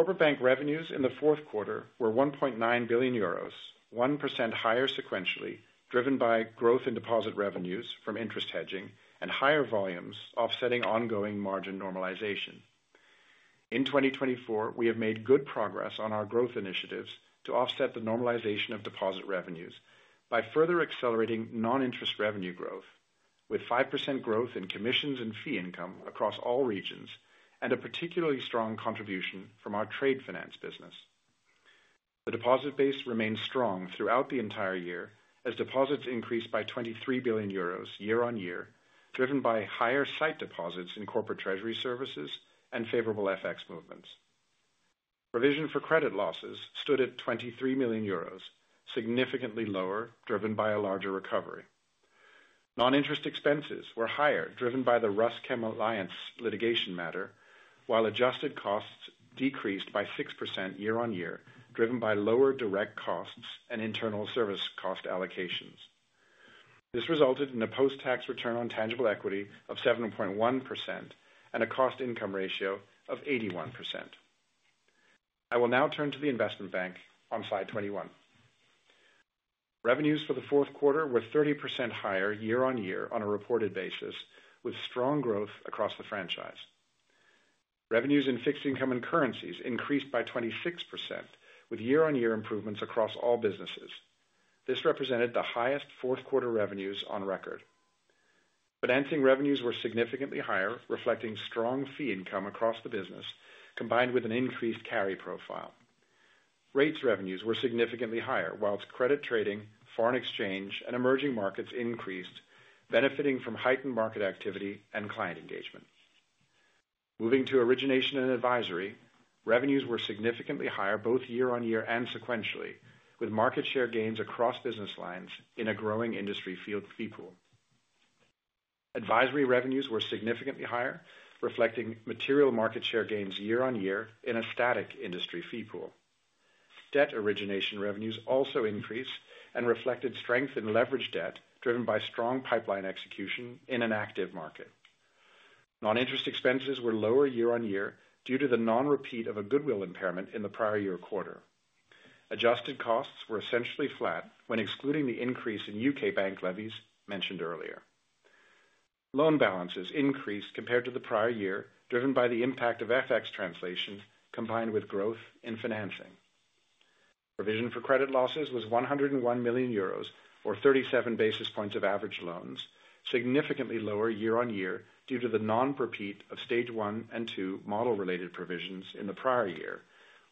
Corporate Bank revenues in the fourth quarter were 1.9 billion euros, 1% higher sequentially, driven by growth in deposit revenues from interest hedging and higher volumes offsetting ongoing margin normalization. In 2024, we have made good progress on our growth initiatives to offset the normalization of deposit revenues by further accelerating non-interest revenue growth, with 5% growth in commissions and fee income across all regions and a particularly strong contribution from our trade finance business. The deposit base remained strong throughout the entire year, as deposits increased by 23 billion euros year-on-year, driven by higher sight deposits in corporate treasury services and favorable FX movements. Provision for credit losses stood at 23 million euros, significantly lower, driven by a larger recovery. Non-interest expenses were higher, driven by the RusChemAlliance litigation matter, while adjusted costs decreased by 6% year-on-year, driven by lower direct costs and internal service cost allocations. This resulted in a post-tax return on tangible equity of 7.1% and a cost-income ratio of 81%. I will now turn to the Investment Bank on slide 21. Revenues for the fourth quarter were 30% higher year-on-year on a reported basis, with strong growth across the franchise. Revenues in fixed income and currencies increased by 26%, with year-on-year improvements across all businesses. This represented the highest fourth quarter revenues on record. Financing revenues were significantly higher, reflecting strong fee income across the business, combined with an increased carry profile. Rates revenues were significantly higher, while credit trading, foreign exchange, and emerging markets increased, benefiting from heightened market activity and client engagement. Moving to origination and advisory, revenues were significantly higher both year-on-year and sequentially, with market share gains across business lines in a growing industry-wide fee pool. Advisory revenues were significantly higher, reflecting material market share gains year-on-year in a static industry-wide fee pool. Debt origination revenues also increased and reflected strength in leveraged debt, driven by strong pipeline execution in an active market. Non-interest expenses were lower year-on-year due to the non-repeat of a goodwill impairment in the prior-year quarter. Adjusted costs were essentially flat when excluding the increase in U.K. bank levies mentioned earlier. Loan balances increased compared to the prior year, driven by the impact of FX translation combined with growth in financing. Provision for credit losses was 101 million euros, or 37 basis points of average loans, significantly lower year-on-year due to the non-repeat of stage one and two model-related provisions in the prior year,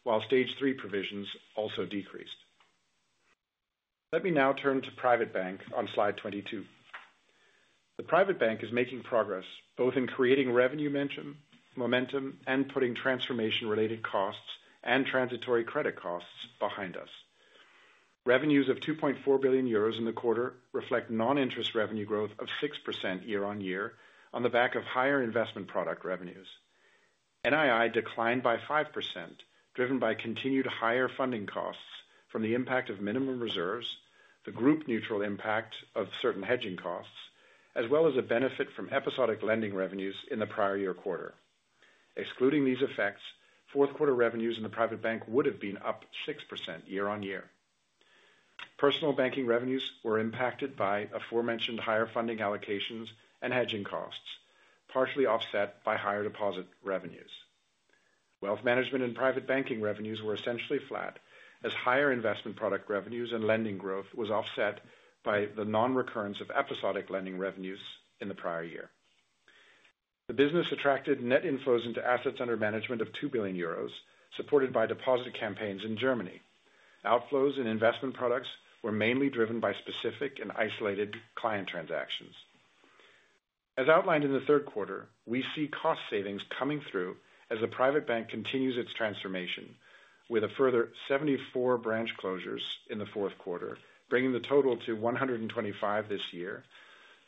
while stage three provisions also decreased. Let me now turn to private bank on slide 22. The Private Bank is making progress both in creating revenue momentum and putting transformation-related costs and transitory credit costs behind us. Revenues of 2.4 billion euros in the quarter reflect non-interest revenue growth of 6% year-on-year on the back of higher investment product revenues. NII declined by 5%, driven by continued higher funding costs from the impact of minimum reserves, the group-neutral impact of certain hedging costs, as well as a benefit from episodic lending revenues in the prior year quarter. Excluding these effects, fourth quarter revenues in the Private Bank would have been up 6% year-on-year. Personal banking revenues were impacted by aforementioned higher funding allocations and hedging costs, partially offset by higher deposit revenues. Wealth Management & Private Banking revenues were essentially flat, as higher investment product revenues and lending growth was offset by the non-recurrence of episodic lending revenues in the prior year. The business attracted net inflows into assets under management of 2 billion euros, supported by deposit campaigns in Germany. Outflows in investment products were mainly driven by specific and isolated client transactions. As outlined in the third quarter, we see cost savings coming through as the Private Bank continues its transformation, with a further 74 branch closures in the fourth quarter, bringing the total to 125 this year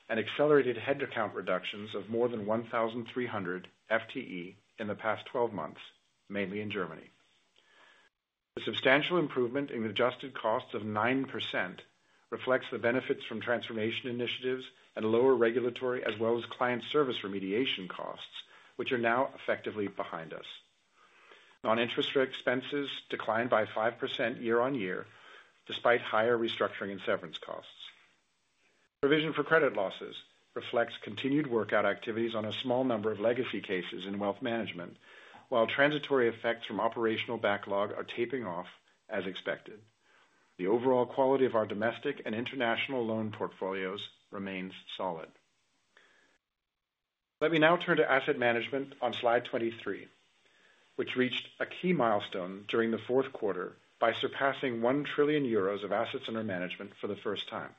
and accelerated headcount reductions of more than 1,300 FTE in the past 12 months, mainly in Germany. The substantial improvement in the adjusted costs of 9% reflects the benefits from transformation initiatives and lower regulatory as well as client service remediation costs, which are now effectively behind us. Non-interest expenses declined by 5% year-on-year, despite higher restructuring and severance costs. Provision for credit losses reflects continued workout activities on a small number of legacy cases in wealth management, while transitory effects from operational backlog are tapering off, as expected. The overall quality of our domestic and international loan portfolios remains solid. Let me now turn to asset management on slide 23, which reached a key milestone during the fourth quarter by surpassing 1 trillion euros of assets under management for the first time.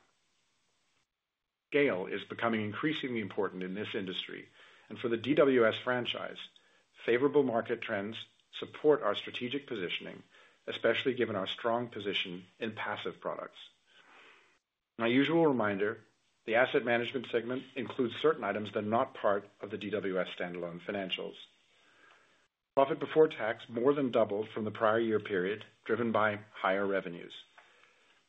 Scale is becoming increasingly important in this industry, and for the DWS franchise, favorable market trends support our strategic positioning, especially given our strong position in passive products. My usual reminder, the asset management segment includes certain items that are not part of the DWS standalone financials. Profit before tax more than doubled from the prior year period, driven by higher revenues.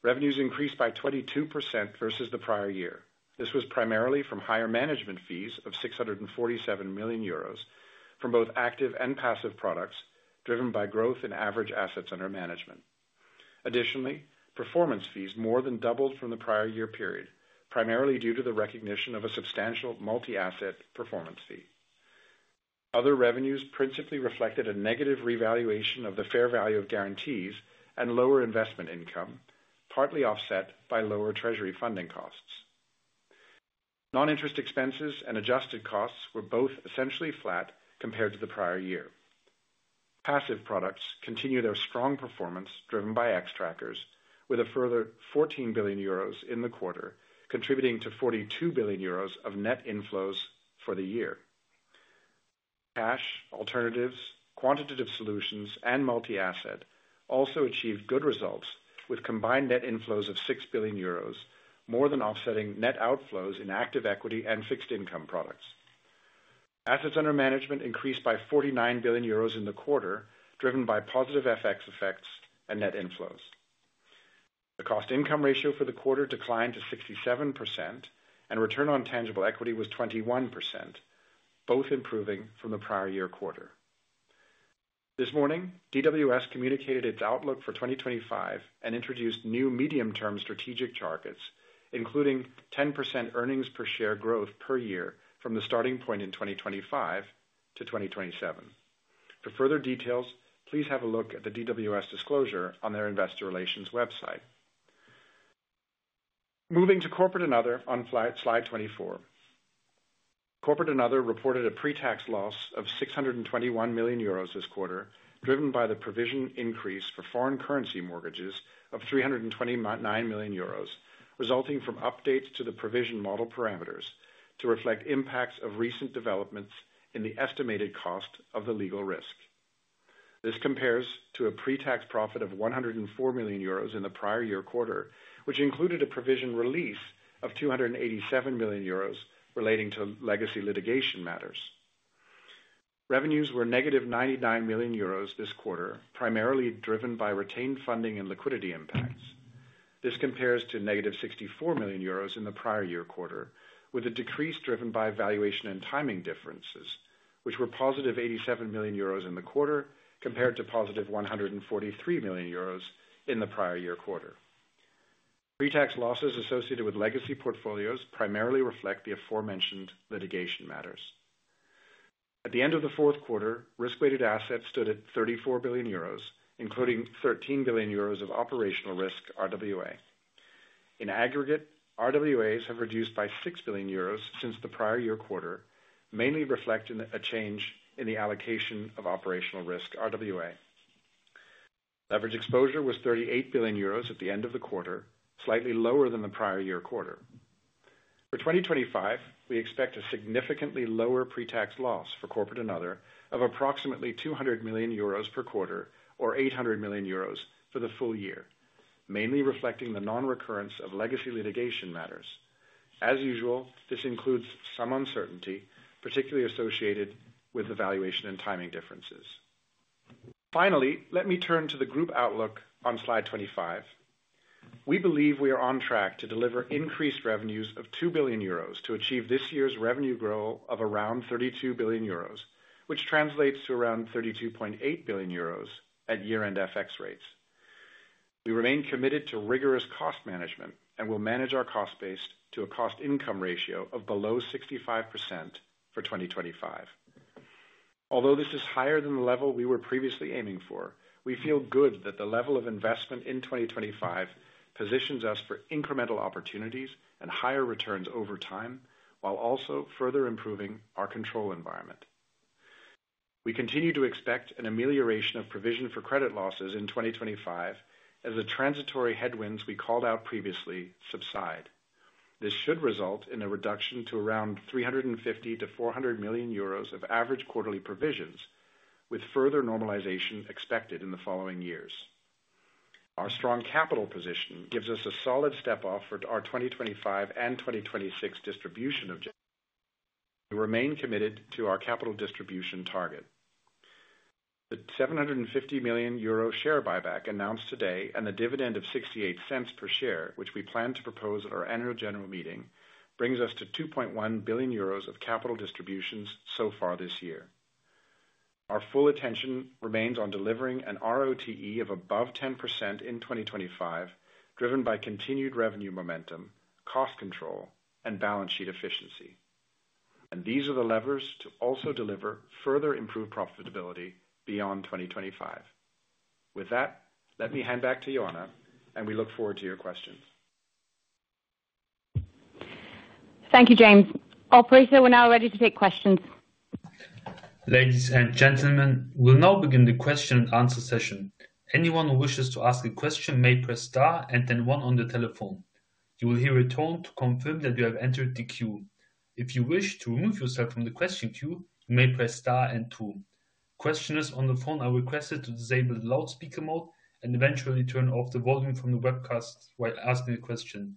Revenues increased by 22% versus the prior year. This was primarily from higher management fees of 647 million euros from both active and passive products, driven by growth in average assets under management. Additionally, performance fees more than doubled from the prior year period, primarily due to the recognition of a substantial multi-asset performance fee. Other revenues principally reflected a negative revaluation of the fair value of guarantees and lower investment income, partly offset by lower treasury funding costs. Non-interest expenses and adjusted costs were both essentially flat compared to the prior year. Passive products continue their strong performance, driven by Xtrackers, with a further 14 billion euros in the quarter, contributing to 42 billion euros of net inflows for the year. Cash alternatives, quantitative solutions, and multi-asset also achieved good results, with combined net inflows of 6 billion euros, more than offsetting net outflows in active equity and fixed income products. Assets under management increased by 49 billion euros in the quarter, driven by positive FX effects and net inflows. The cost-income ratio for the quarter declined to 67%, and return on tangible equity was 21%, both improving from the prior year quarter. This morning, DWS communicated its outlook for 2025 and introduced new medium-term strategic targets, including 10% earnings per share growth per year from the starting point in 2025 to 2027. For further details, please have a look at the DWS disclosure on their investor relations website. Moving to Corporate & Other on slide 24. Corporate & Other reported a pre-tax loss of 621 million euros this quarter, driven by the provision increase for foreign currency mortgages of 329 million euros, resulting from updates to the provision model parameters to reflect impacts of recent developments in the estimated cost of the legal risk. This compares to a pre-tax profit of 104 million euros in the prior year quarter, which included a provision release of 287 million euros relating to legacy litigation matters. Revenues were negative 99 million euros this quarter, primarily driven by retained funding and liquidity impacts. This compares to negative 64 million euros in the prior year quarter, with a decrease driven by valuation and timing differences, which were positive 87 million euros in the quarter compared to positive 143 million euros in the prior year quarter. Pre-tax losses associated with legacy portfolios primarily reflect the aforementioned litigation matters. At the end of the fourth quarter, risk-weighted assets stood at 34 billion euros, including 13 billion euros of operational risk RWA. In aggregate, RWAs have reduced by 6 billion euros since the prior year quarter, mainly reflecting a change in the allocation of operational risk RWA. Leverage exposure was 38 billion euros at the end of the quarter, slightly lower than the prior year quarter. For 2025, we expect a significantly lower pre-tax loss for corporate and other of approximately 200 million euros per quarter, or 800 million euros for the full year, mainly reflecting the non-recurrence of legacy litigation matters. As usual, this includes some uncertainty, particularly associated with the valuation and timing differences. Finally, let me turn to the group outlook on slide 25. We believe we are on track to deliver increased revenues of 2 billion euros to achieve this year's revenue growth of around 32 billion euros, which translates to around 32.8 billion euros at year-end FX rates. We remain committed to rigorous cost management and will manage our cost base to a cost-income ratio of below 65% for 2025. Although this is higher than the level we were previously aiming for, we feel good that the level of investment in 2025 positions us for incremental opportunities and higher returns over time, while also further improving our control environment. We continue to expect an amelioration of provision for credit losses in 2025, as the transitory headwinds we called out previously subside. This should result in a reduction to around 350-400 million euros of average quarterly provisions, with further normalization expected in the following years. Our strong capital position gives us a solid step off for our 2025 and 2026 distribution objective. We remain committed to our capital distribution target. The 750 million euro share buyback announced today and the dividend of 0.68 per share, which we plan to propose at our annual general meeting, brings us to 2.1 billion euros of capital distributions so far this year. Our full attention remains on delivering an ROTE of above 10% in 2025, driven by continued revenue momentum, cost control, and balance sheet efficiency. And these are the levers to also deliver further improved profitability beyond 2025. With that, let me hand back to Ioana, and we look forward to your questions. Thank you, James. Operator, we're now ready to take questions. Ladies and gentlemen, we'll now begin the question and answer session. Anyone who wishes to ask a question may press star and then one on the telephone. You will hear a tone to confirm that you have entered the queue. If you wish to remove yourself from the question queue, you may press star and two. Questioners on the phone are requested to disable loudspeaker mode and eventually turn off the volume from the webcast while asking a question.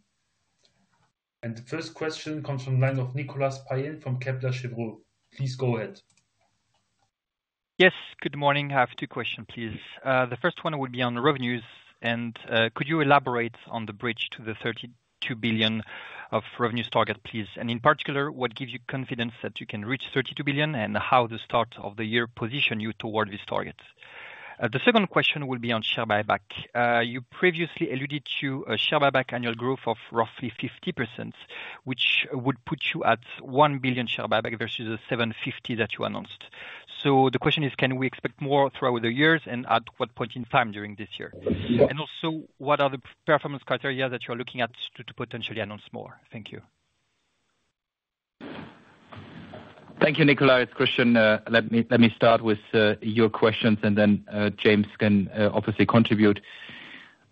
And the first question coms from the line of Nicolas Payen from Kepler Cheuvreux. Please go ahead. Yes, good morning. I have two questions, please. The first one would be on revenues, and could you elaborate on the bridge to the 32 billion of revenues target, please? And in particular, what gives you confidence that you can reach 32 billion and how the start of the year positions you toward this target? The second question will be on share buyback. You previously alluded to a share buyback annual growth of roughly 50%, which would put you at 1 billion share buyback versus the 750 that you announced. So the question is, can we expect more throughout the years and at what point in time during this year? And also, what are the performance criteria that you're looking at to potentially announce more? Thank you. Thank you, Nicolas. Question, let me start with your questions, and then James can obviously contribute.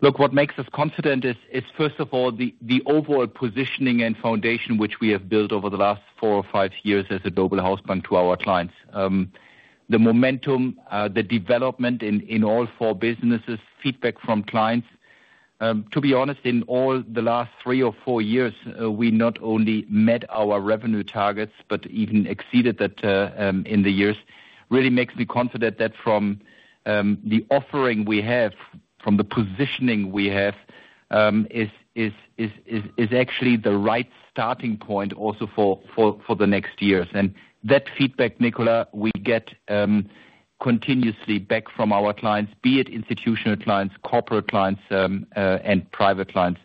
Look, what makes us confident is, first of all, the overall positioning and foundation which we have built over the last four or five years as a Global Hausbank to our clients. The momentum, the development in all four businesses, feedback from clients. To be honest, in all the last three or four years, we not only met our revenue targets but even exceeded that in the years. Really makes me confident that from the offering we have, from the positioning we have, is actually the right starting point also for the next years. And that feedback, Nicolas, we get continuously back from our clients, be it institutional clients, corporate clients, and private clients.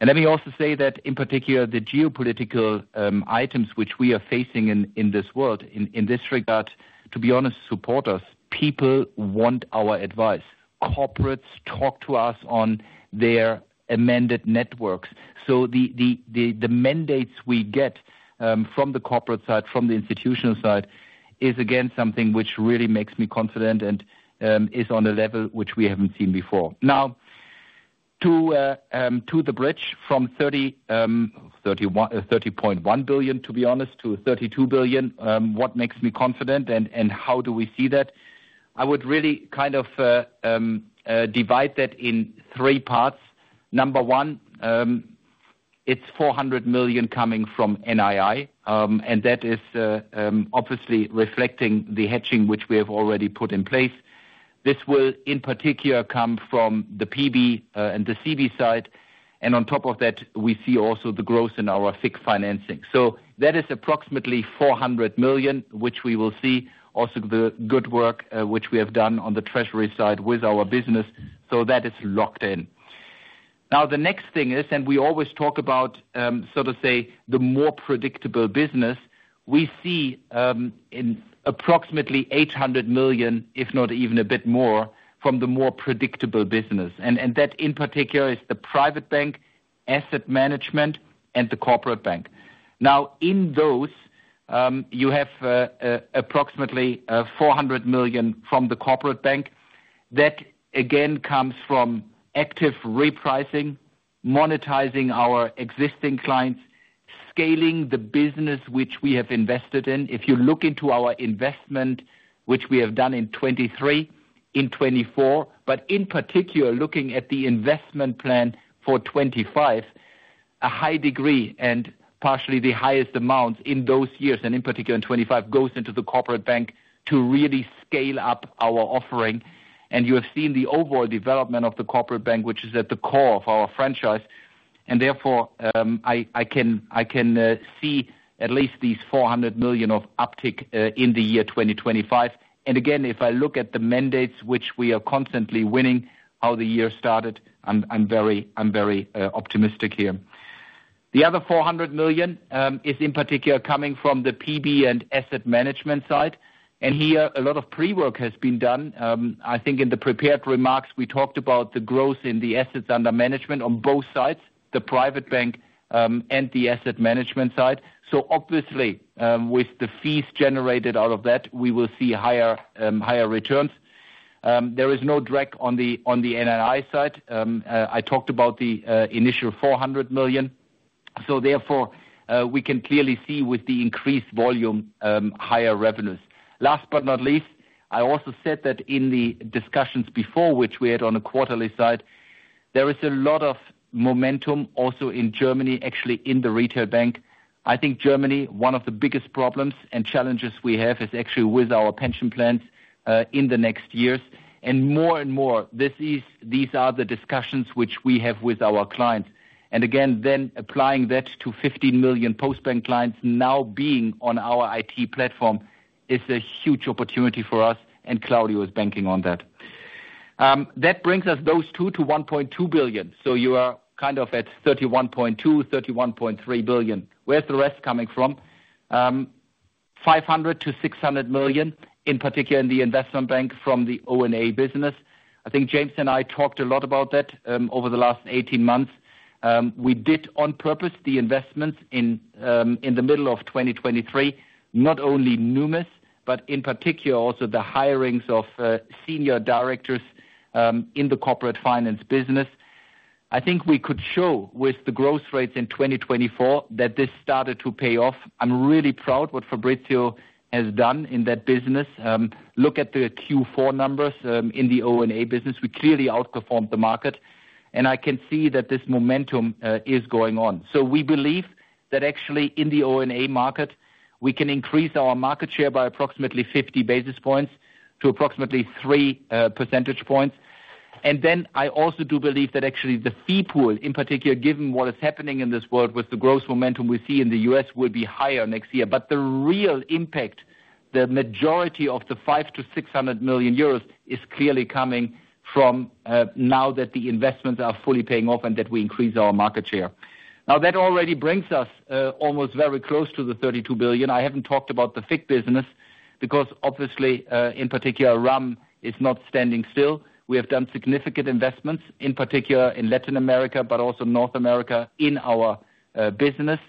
And let me also say that, in particular, the geopolitical items which we are facing in this world, in this regard, to be honest, support us. People want our advice. Corporates talk to us on their amended networks. So the mandates we get from the corporate side, from the institutional side, is again something which really makes me confident and is on a level which we haven't seen before. Now, to the bridge from 30.1 billion, to be honest, to 32 billion, what makes me confident and how do we see that? I would really kind of divide that in three parts. Number one, it's 400 million coming from NII, and that is obviously reflecting the hedging which we have already put in place. This will, in particular, come from the PB and the CB side. And on top of that, we see also the growth in our fixed financing. So that is approximately 400 million, which we will see also the good work which we have done on the treasury side with our business. So that is locked in. Now, the next thing is, and we always talk about, so to say, the more predictable business, we see in approximately 800 million, if not even a bit more, from the more predictable business. And that, in particular, is the Private Bank, Asset Management, and the Corporate Bank. Now, in those, you have approximately 400 million from the Corporate Bank. That again comes from active repricing, monetizing our existing clients, scaling the business which we have invested in. If you look into our investment, which we have done in 2023, in 2024, but in particular, looking at the investment plan for 2025, a high degree and partially the highest amounts in those years, and in particular in 2025, goes into the Corporate Bank to really scale up our offering. And you have seen the overall development of the Corporate Bank, which is at the core of our franchise. And therefore, I can see at least these 400 million of uptick in the year 2025. And again, if I look at the mandates which we are constantly winning, how the year started, I'm very optimistic here. The other 400 million is, in particular, coming from the PB and asset management side. And here, a lot of pre-work has been done. I think in the prepared remarks, we talked about the growth in the assets under management on both sides, the Private Bank and the asset management side. So obviously, with the fees generated out of that, we will see higher returns. There is no drag on the NII side. I talked about the initial 400 million. So therefore, we can clearly see with the increased volume, higher revenues. Last but not least, I also said that in the discussions before, which we had on a quarterly side, there is a lot of momentum also in Germany, actually in the Retail Bank. I think Germany, one of the biggest problems and challenges we have is actually with our pension plans in the next years, and more and more, these are the discussions which we have with our clients. Again, then applying that to 15 million Postbank clients now being on our IT platform is a huge opportunity for us, and Claudio is banking on that. That brings us those two to 1.2 billion. You are kind of at 31.2-31.3 billion. Where's the rest coming from? 500 million-600 million, in particular in the Investment Bank from the O&A business. I think James and I talked a lot about that over the last 18 months. We did on purpose the investments in the middle of 2023, not only Numis, but in particular also the hirings of senior directors in the corporate finance business. I think we could show with the growth rates in 2024 that this started to pay off. I'm really proud of what Fabrizio has done in that business. Look at the Q4 numbers in the O&A business. We clearly outperformed the market, and I can see that this momentum is going on. So we believe that actually in the O&A market, we can increase our market share by approximately 50 basis points to approximately 3 percentage points. And then I also do believe that actually the fee pool, in particular, given what is happening in this world with the growth momentum we see in the U.S., will be higher next year. But the real impact, the majority of the 500-600 million euros is clearly coming from now that the investments are fully paying off and that we increase our market share. Now, that already brings us almost very close to the 32 billion. I haven't talked about the fixed business because obviously, in particular, our AM is not standing still. We have done significant investments, in particular in Latin America, but also North America in our business.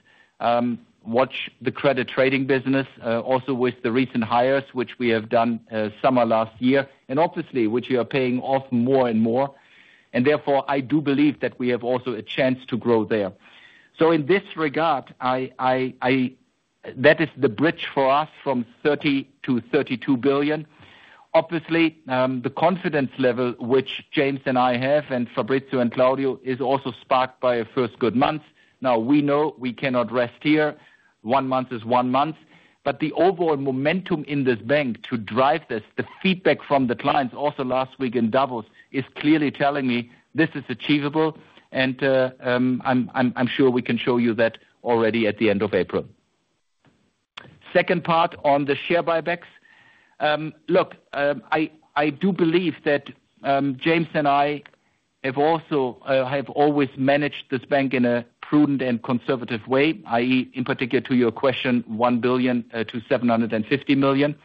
Watch the credit trading business, also with the recent hires which we have done summer last year, and obviously which you are paying off more and more. Therefore, I do believe that we have also a chance to grow there. In this regard, that is the bridge for us from 30 billion to 32 billion. Obviously, the confidence level which James and I have and Fabrizio and Claudio is also sparked by a first good month. Now, we know we cannot rest here. One month is one month. The overall momentum in this bank to drive this, the feedback from the clients also last week in Davos is clearly telling me this is achievable, and I'm sure we can show you that already at the end of April. Second part on the share buybacks. Look, I do believe that James and I have always managed this bank in a prudent and conservative way, i.e., in particular to your question, 1 billion to 750 million.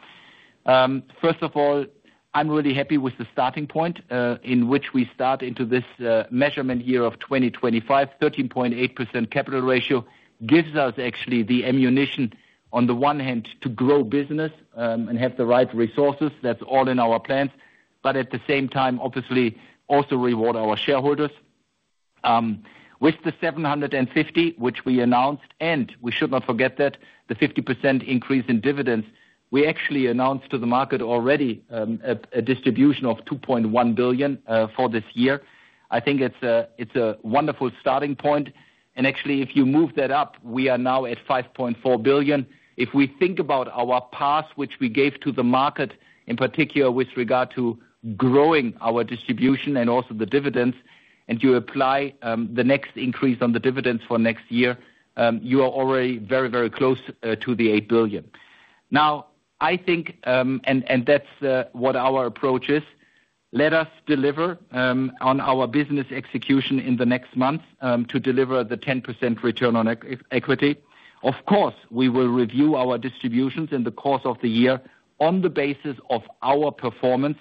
First of all, I'm really happy with the starting point in which we start into this fiscal year of 2025. 13.8% capital ratio gives us actually the ammunition on the one hand to grow business and have the right resources. That's all in our plans. But at the same time, obviously, also reward our shareholders. With the 750 which we announced, and we should not forget that the 50% increase in dividends, we actually announced to the market already a distribution of 2.1 billion for this year. I think it's a wonderful starting point, and actually, if you move that up, we are now at 5.4 billion. If we think about our path which we gave to the market, in particular with regard to growing our distribution and also the dividends, and you apply the next increase on the dividends for next year, you are already very, very close to the 8 billion. Now, I think, and that's what our approach is, let us deliver on our business execution in the next months to deliver the 10% return on equity. Of course, we will review our distributions in the course of the year on the basis of our performance,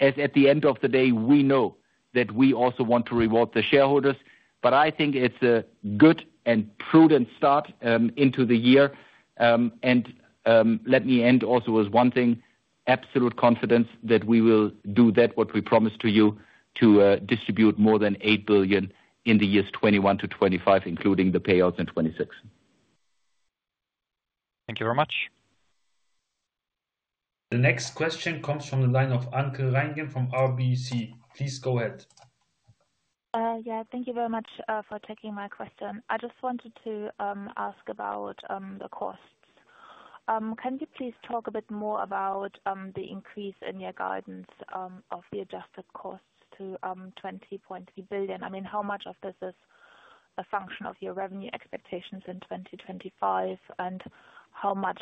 as at the end of the day, we know that we also want to reward the shareholders. But I think it's a good and prudent start into the year. And let me end also with one thing, absolute confidence that we will do that, what we promised to you, to distribute more than 8 billion in the years 2021 to 2025, including the payouts in 2026. Thank you very much. The next question comes from the line of Anke Reingen from RBC. Please go ahead. Yeah, thank you very much for taking my question. I just wanted to ask about the costs. Can you please talk a bit more about the increase in your guidance of the adjusted costs to 20.3 billion? I mean, how much of this is a function of your revenue expectations in 2025, and how much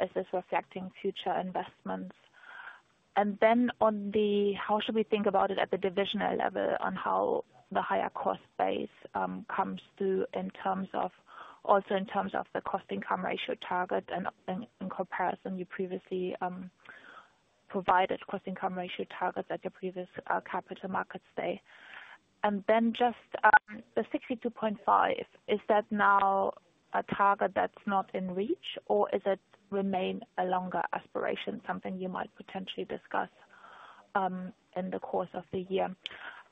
is this reflecting future investments? And then, on the how should we think about it at the divisional level on how the higher cost base comes through in terms of also in terms of the cost-income ratio target and in comparison you previously provided cost-income ratio target at your previous capital markets day. And then just the 62.5%, is that now a target that's not in reach, or is it remaining a longer aspiration, something you might potentially discuss in the course of the year?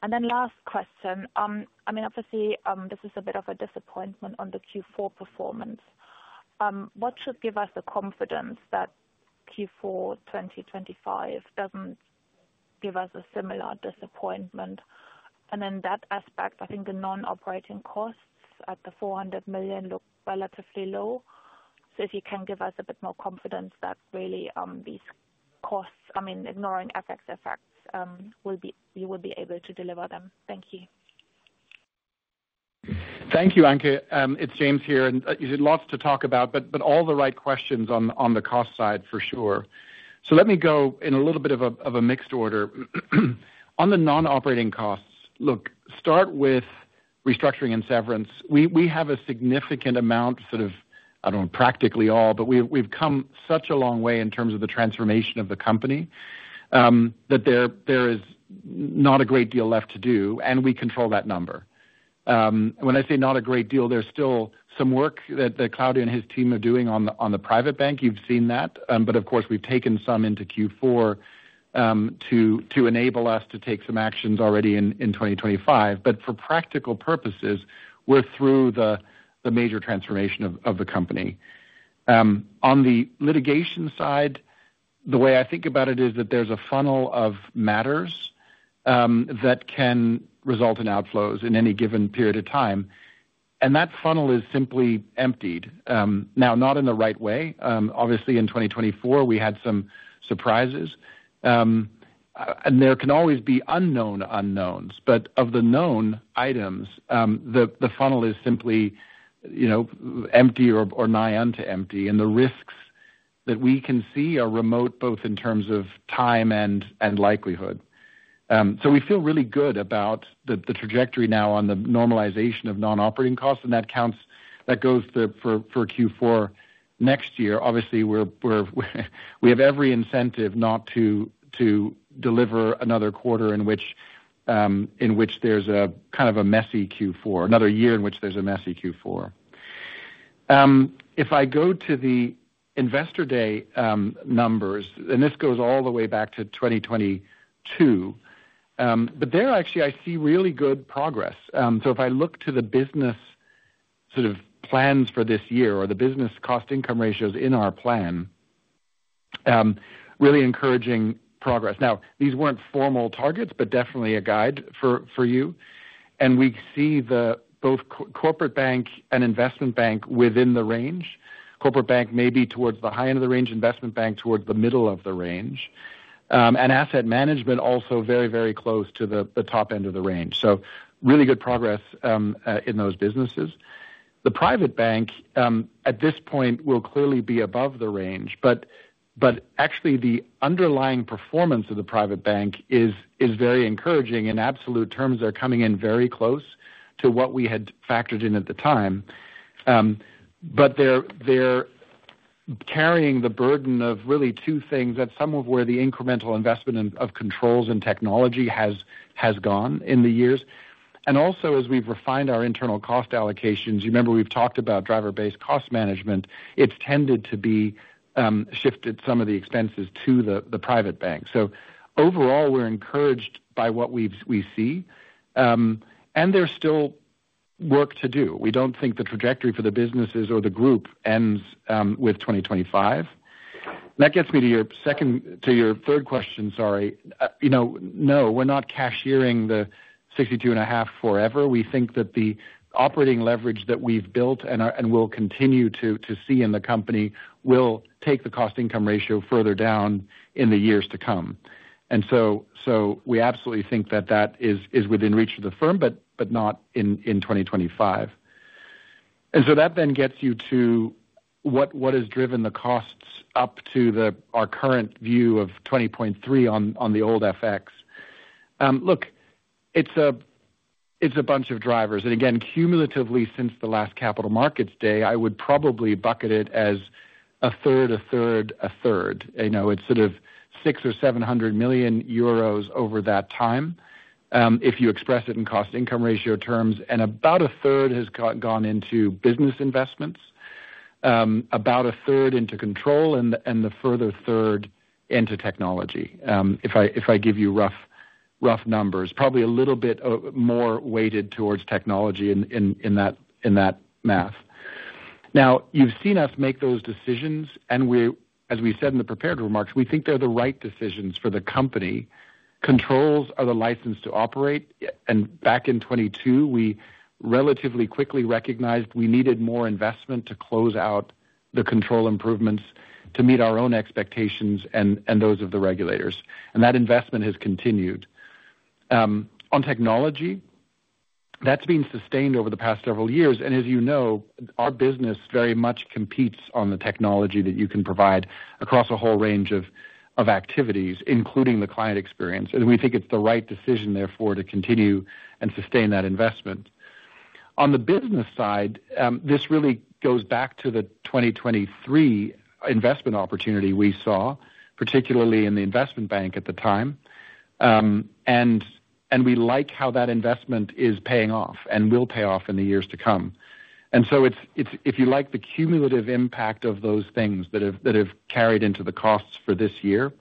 And then last question. I mean, obviously, this is a bit of a disappointment on the Q4 performance. What should give us the confidence that Q4 2025 doesn't give us a similar disappointment? And in that aspect, I think the non-operating costs at the 400 million look relatively low. So if you can give us a bit more confidence that really these costs, I mean, ignoring FX effects, you will be able to deliver them. Thank you. Thank you, Anke. It's James here. You did lots to talk about, but all the right questions on the cost side for sure. So let me go in a little bit of a mixed order. On the non-operating costs, look, start with restructuring and severance. We have a significant amount, sort of, I don't know, practically all, but we've come such a long way in terms of the transformation of the company that there is not a great deal left to do, and we control that number. When I say not a great deal, there's still some work that Claudio and his team are doing on the Private Bank. You've seen that. But of course, we've taken some into Q4 to enable us to take some actions already in 2025. But for practical purposes, we're through the major transformation of the company. On the litigation side, the way I think about it is that there's a funnel of matters that can result in outflows in any given period of time. And that funnel is simply emptied. Now, not in the right way. Obviously, in 2024, we had some surprises. And there can always be unknown unknowns. But of the known items, the funnel is simply empty or nigh unto empty. And the risks that we can see are remote, both in terms of time and likelihood. So we feel really good about the trajectory now on the normalization of non-operating costs. And that goes for Q4 next year. Obviously, we have every incentive not to deliver another quarter in which there's a kind of a messy Q4, another year in which there's a messy Q4. If I go to the investor day numbers, and this goes all the way back to 2022, but there actually I see really good progress. So if I look to the business sort of plans for this year or the business cost-income ratios in our plan, really encouraging progress. Now, these weren't formal targets, but definitely a guide for you. And we see both Corporate Bank and Investment Bank within the range. Corporate bank may be towards the high end of the range, Investment Bank towards the middle of the range. And asset management also very, very close to the top end of the range. So really good progress in those businesses. The Private Bank, at this point, will clearly be above the range. But actually, the underlying performance of the Private Bank is very encouraging in absolute terms. They're coming in very close to what we had factored in at the time. But they're carrying the burden of really two things that somewhere where the incremental investment of controls and technology has gone in the years. And also, as we've refined our internal cost allocations, you remember we've talked about driver-based cost management, it's tended to be shifted some of the expenses to the Private Bank. So overall, we're encouraged by what we see. And there's still work to do. We don't think the trajectory for the businesses or the group ends with 2025. That gets me to your third question, sorry. No, we're not capping the 62.5 forever. We think that the operating leverage that we've built and will continue to see in the company will take the cost-income ratio further down in the years to come. And so we absolutely think that that is within reach of the firm, but not in 2025. And so that then gets you to what has driven the costs up to our current view of 20.3 on the old FX. Look, it's a bunch of drivers. And again, cumulatively since the last capital markets day, I would probably bucket it as a third, a third, a third. It's sort of 600 or 700 million euros over that time if you express it in cost-income ratio terms. And about a third has gone into business investments, about a third into control, and the further third into technology, if I give you rough numbers. Probably a little bit more weighted towards technology in that math. Now, you've seen us make those decisions. And as we said in the prepared remarks, we think they're the right decisions for the company. Controls are the license to operate. And back in 2022, we relatively quickly recognized we needed more investment to close out the control improvements to meet our own expectations and those of the regulators. And that investment has continued. On technology, that's been sustained over the past several years. And as you know, our business very much competes on the technology that you can provide across a whole range of activities, including the client experience. And we think it's the right decision therefore to continue and sustain that investment. On the business side, this really goes back to the 2023 investment opportunity we saw, particularly in the Investment Bank at the time. And we like how that investment is paying off and will pay off in the years to come. And so if you like the cumulative impact of those things that have carried into the costs for this year,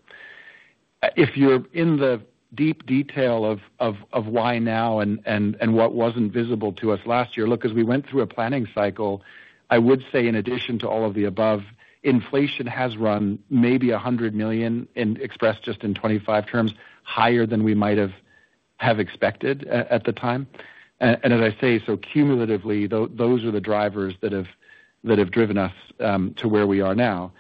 if you're in the deep detail of why now and what wasn't visible to us last year, look, as we went through a planning cycle, I would say in addition to all of the above, inflation has run maybe 100 million, expressed just in 2025 terms, higher than we might have expected at the time. And as I say, so cumulatively, those are the drivers that have driven us to where we are now.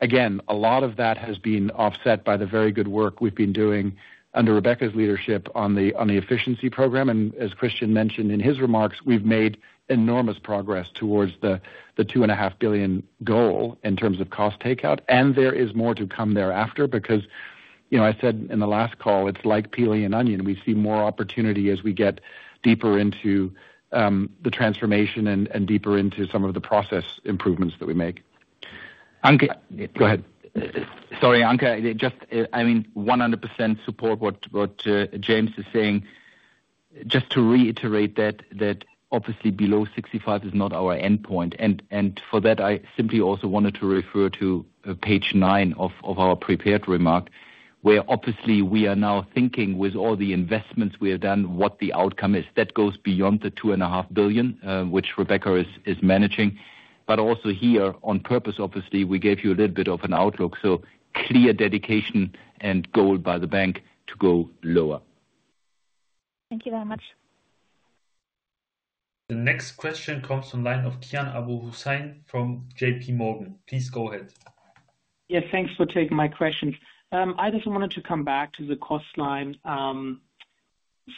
Again, a lot of that has been offset by the very good work we've been doing under Rebecca's leadership on the efficiency program. As Christian mentioned in his remarks, we've made enormous progress towards the 2.5 billion goal in terms of cost takeout. And there is more to come thereafter because I said in the last call, it's like peeling an onion. We see more opportunity as we get deeper into the transformation and deeper into some of the process improvements that we make. Anke, go ahead. Sorry, Anke. I mean, 100% support what James is saying. Just to reiterate that, obviously, below 65 is not our endpoint. And for that, I simply also wanted to refer to page nine of our prepared remark, where obviously we are now thinking with all the investments we have done what the outcome is. That goes beyond the 2.5 billion, which Rebecca is managing. But also here, on purpose, obviously, we gave you a little bit of an outlook. So clear dedication and goal by the bank to go lower. Thank you very much. The next question comes online of Kian Abouhossein from JPMorgan. Please go ahead. Yeah, thanks for taking my question. I just wanted to come back to the cost line.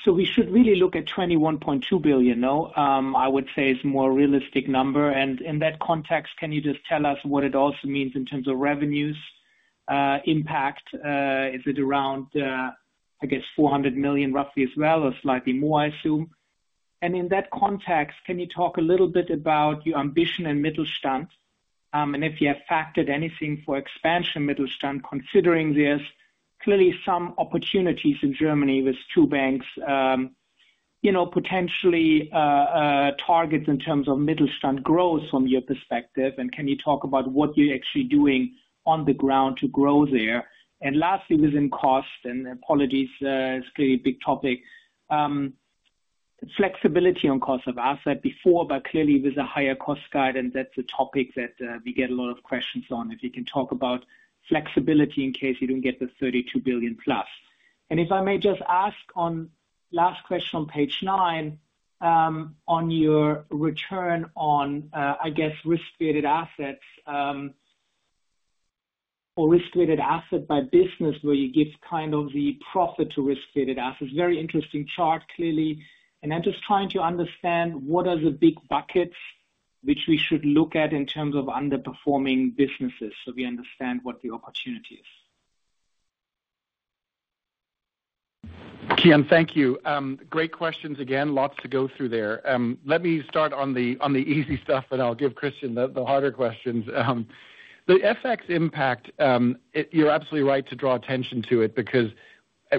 We should really look at 21.2 billion, though I would say is a more realistic number. And in that context, can you just tell us what it also means in terms of revenues impact? Is it around, I guess, 400 million roughly as well or slightly more, I assume? And in that context, can you talk a little bit about your ambition and Mittelstand? And if you have factored anything for expansion Mittelstand, considering there's clearly some opportunities in Germany with two banks, potentially targets in terms of Mittelstand growth from your perspective? And can you talk about what you're actually doing on the ground to grow there? And lastly, within cost, and apologies, it's a pretty big topic, flexibility on cost of asset before, but clearly with a higher cost guide. And that's a topic that we get a lot of questions on. If you can talk about flexibility in case you don't get the 32 billion plus. And if I may just ask one last question on page nine, on your return on, I guess, risk-weighted assets or risk-weighted asset by business, where you give kind of the profit to risk-weighted assets. Very interesting chart, clearly. And I'm just trying to understand what are the big buckets which we should look at in terms of underperforming businesses so we understand what the opportunity is. Kian, thank you. Great questions again. Lots to go through there. Let me start on the easy stuff, and I'll give Christian the harder questions. The FX impact, you're absolutely right to draw attention to it because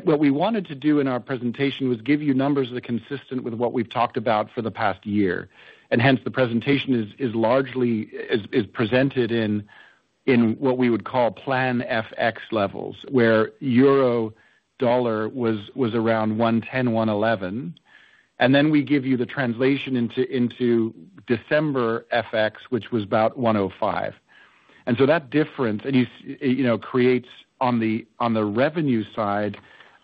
what we wanted to do in our presentation was give you numbers that are consistent with what we've talked about for the past year. And hence, the presentation is presented in what we would call plan FX levels, where euro dollar was around 110, 111. And then we give you the translation into December FX, which was about 105. And so that difference creates on the revenue side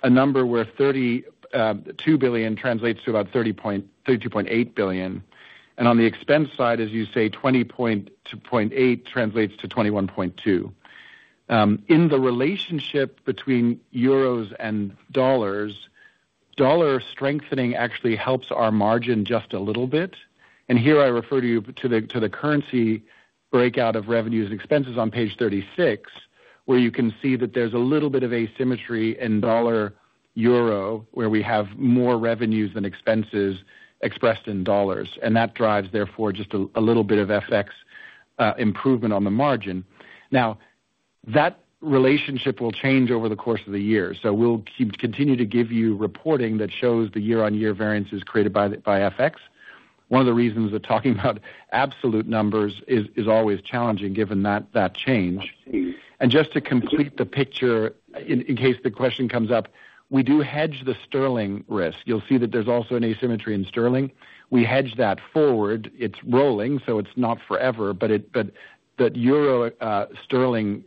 a number where 32 billion translates to about $32.8 billion. And on the expense side, as you say, $20.8 billion translates to $21.2 billion. In the relationship between euros and dollars, dollar strengthening actually helps our margin just a little bit. Here I refer you to the currency breakout of revenues and expenses on page 36, where you can see that there's a little bit of asymmetry in dollar euro, where we have more revenues than expenses expressed in dollars. That drives, therefore, just a little bit of FX improvement on the margin. Now, that relationship will change over the course of the year. We'll continue to give you reporting that shows the year-on-year variances created by FX. One of the reasons we're talking about absolute numbers is always challenging given that change. Just to complete the picture, in case the question comes up, we do hedge the sterling risk. You'll see that there's also an asymmetry in sterling. We hedge that forward. It's rolling, so it's not forever. The euro sterling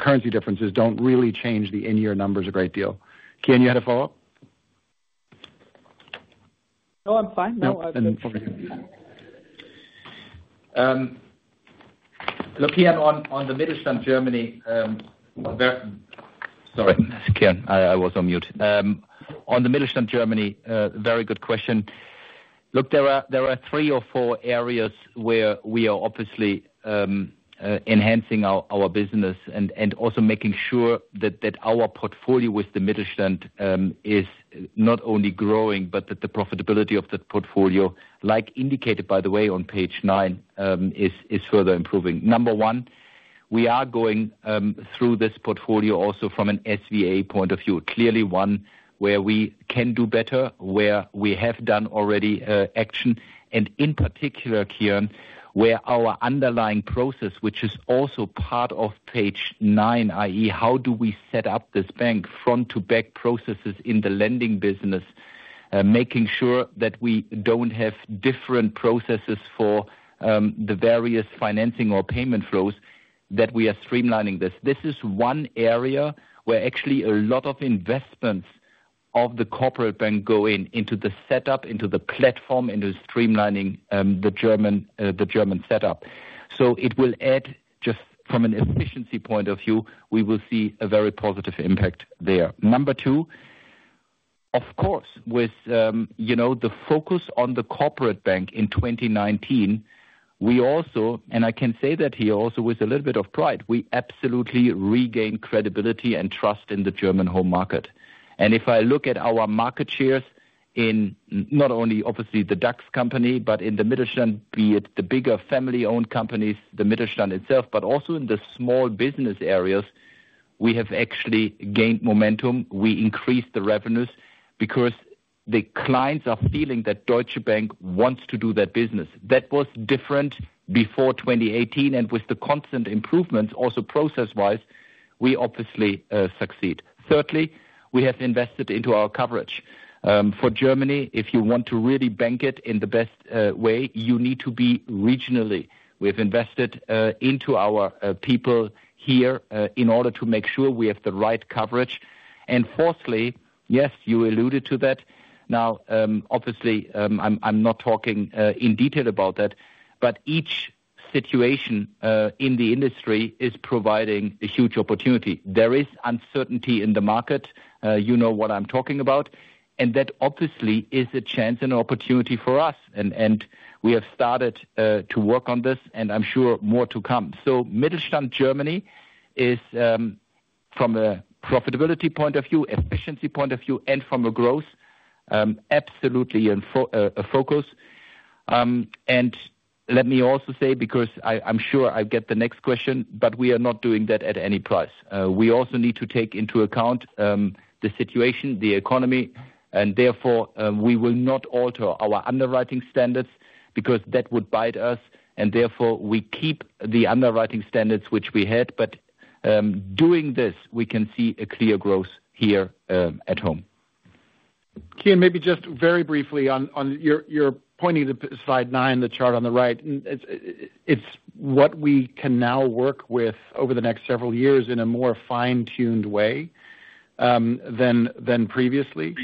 currency differences don't really change the in-year numbers a great deal. Kian, you had a follow-up? No, I'm fine. No, I've been fine. Look, Kian, on the Mittelstand Germany. Sorry, Kian, I was on mute. On the Mittelstand Germany, very good question. Look, there are three or four areas where we are obviously enhancing our business and also making sure that our portfolio with the Mittelstand is not only growing, but that the profitability of that portfolio, like indicated, by the way, on page nine, is further improving. Number one, we are going through this portfolio also from an SVA point of view. Clearly one where we can do better, where we have done already action. And in particular, Kian, where our underlying process, which is also part of page nine, i.e., how do we set up this bank front-to-back processes in the lending business, making sure that we don't have different processes for the various financing or payment flows that we are streamlining this. This is one area where actually a lot of investments of the Corporate Bank go into the setup, into the platform, into streamlining the German setup. So it will add, just from an efficiency point of view, we will see a very positive impact there. Number two, of course, with the focus on the Corporate Bank in 2019, we also, and I can say that here also with a little bit of pride, we absolutely regained credibility and trust in the German home market. And if I look at our market shares in not only, obviously, the DAX company, but in the Mittelstand, be it the bigger family-owned companies, the Mittelstand itself, but also in the small business areas, we have actually gained momentum. We increased the revenues because the clients are feeling that Deutsche Bank wants to do that business. That was different before 2018. And with the constant improvements, also process-wise, we obviously succeed. Thirdly, we have invested into our coverage. For Germany, if you want to really bank it in the best way, you need to be regionally. We have invested into our people here in order to make sure we have the right coverage. And fourthly, yes, you alluded to that. Now, obviously, I'm not talking in detail about that, but each situation in the industry is providing a huge opportunity. There is uncertainty in the market. You know what I'm talking about. And that obviously is a chance and opportunity for us. And we have started to work on this, and I'm sure more to come. So Mittelstand Germany is, from a profitability point of view, efficiency point of view, and from a growth, absolutely a focus. And let me also say, because I'm sure I'll get the next question, but we are not doing that at any price. We also need to take into account the situation, the economy. And therefore, we will not alter our underwriting standards because that would bite us. And therefore, we keep the underwriting standards which we had. But doing this, we can see a clear growth here at home. Kian, maybe just very briefly on you pointing to slide nine, the chart on the right, it's what we can now work with over the next several years in a more fine-tuned way than previously,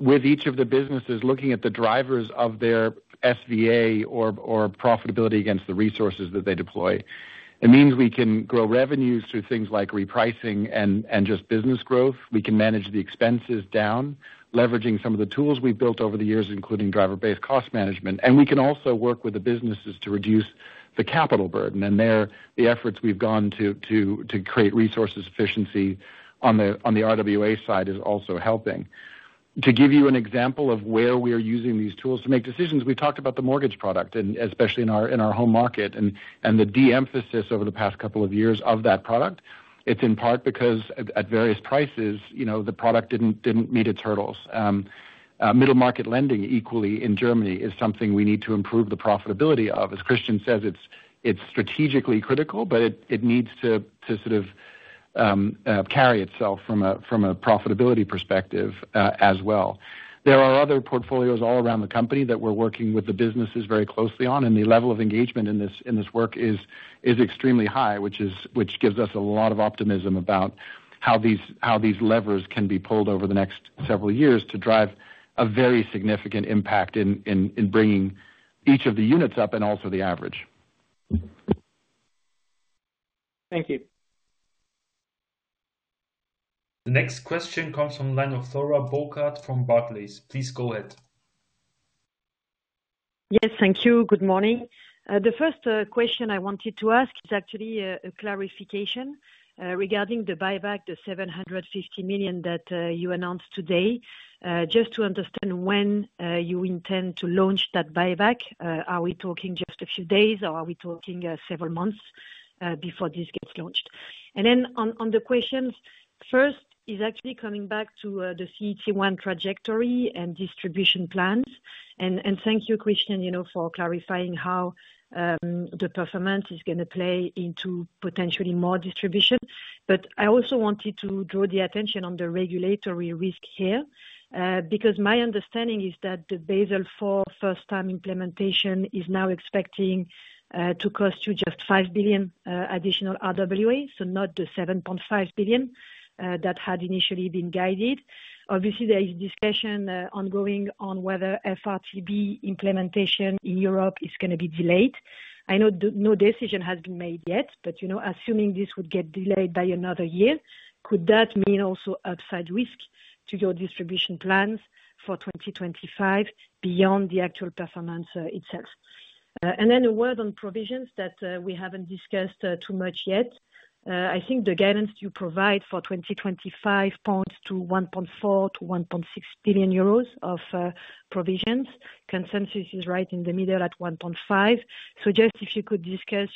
with each of the businesses looking at the drivers of their SVA or profitability against the resources that they deploy. It means we can grow revenues through things like repricing and just business growth. We can manage the expenses down, leveraging some of the tools we've built over the years, including driver-based cost management, and we can also work with the businesses to reduce the capital burden, and the efforts we've gone to create resource efficiency on the RWA side is also helping. To give you an example of where we are using these tools to make decisions, we talked about the mortgage product, especially in our home market and the de-emphasis over the past couple of years of that product. It's in part because at various prices, the product didn't meet its hurdles. Middle market lending equally in Germany is something we need to improve the profitability of. As Christian says, it's strategically critical, but it needs to sort of carry itself from a profitability perspective as well. There are other portfolios all around the company that we're working with the businesses very closely on. And the level of engagement in this work is extremely high, which gives us a lot of optimism about how these levers can be pulled over the next several years to drive a very significant impact in bringing each of the units up and also the average. Thank you. The next question comes from Flora Bocahut from Barclays. Please go ahead. Yes, thank you. Good morning. The first question I wanted to ask is actually a clarification regarding the buyback, the 750 million that you announced today. Just to understand when you intend to launch that buyback. Are we talking just a few days, or are we talking several months before this gets launched? And then on the questions, first is actually coming back to the CET1 trajectory and distribution plans. And thank you, Christian, for clarifying how the performance is going to play into potentially more distribution. But I also wanted to draw the attention on the regulatory risk here because my understanding is that the Basel IV first-time implementation is now expecting to cost you just 5 billion additional RWA, so not the 7.5 billion that had initially been guided. Obviously, there is discussion ongoing on whether FRTB implementation in Europe is going to be delayed. I know no decision has been made yet, but assuming this would get delayed by another year, could that mean also upside risk to your distribution plans for 2025 beyond the actual performance itself? Then a word on provisions that we haven't discussed too much yet. I think the guidance you provide for 2025 points to 1.4-1.6 billion euros of provisions. Consensus is right in the middle at 1.5. So just if you could discuss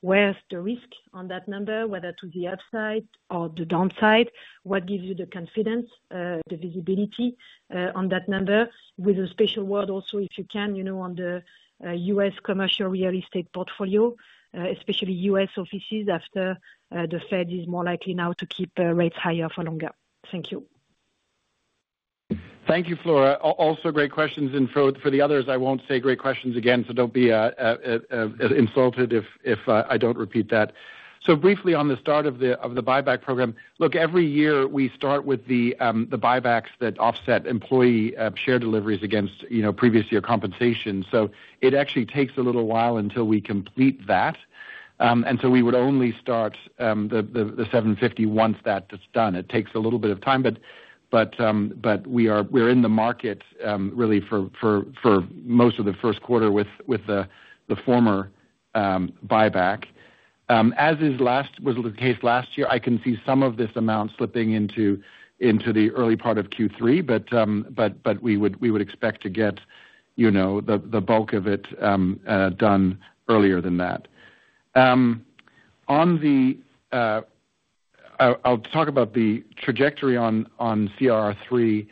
where's the risk on that number, whether to the upside or the downside, what gives you the confidence, the visibility on that number? With a special word also, if you can, on the U.S. commercial real estate portfolio, especially U.S. offices after the Fed is more likely now to keep rates higher for longer. Thank you. Thank you, Flora. Also great questions. And for the others, I won't say great questions again, so don't be insulted if I don't repeat that. So briefly on the start of the buyback program, look, every year we start with the buybacks that offset employee share deliveries against previous year compensation. So it actually takes a little while until we complete that. And so we would only start the 750 once that's done. It takes a little bit of time, but we're in the market really for most of the first quarter with the former buyback. As was the case last year, I can see some of this amount slipping into the early part of Q3, but we would expect to get the bulk of it done earlier than that. I'll talk about the trajectory on CRR3.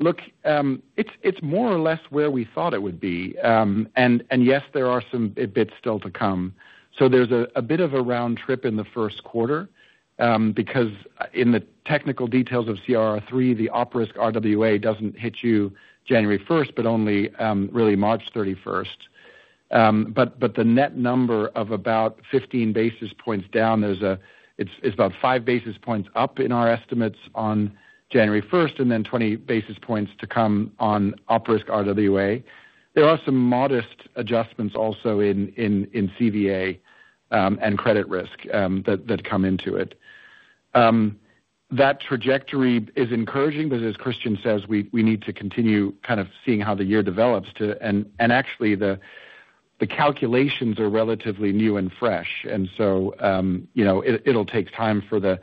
Look, it's more or less where we thought it would be. Yes, there are some bits still to come. There's a bit of a round trip in the first quarter because in the technical details of CRR3, the operisk RWA doesn't hit you January 1st, but only really March 31st. The net number of about 15 basis points down, it's about five basis points up in our estimates on January 1st and then 20 basis points to come on operisk RWA. There are some modest adjustments also in CVA and credit risk that come into it. That trajectory is encouraging because, as Christian says, we need to continue kind of seeing how the year develops. Actually, the calculations are relatively new and fresh. So it'll take time for the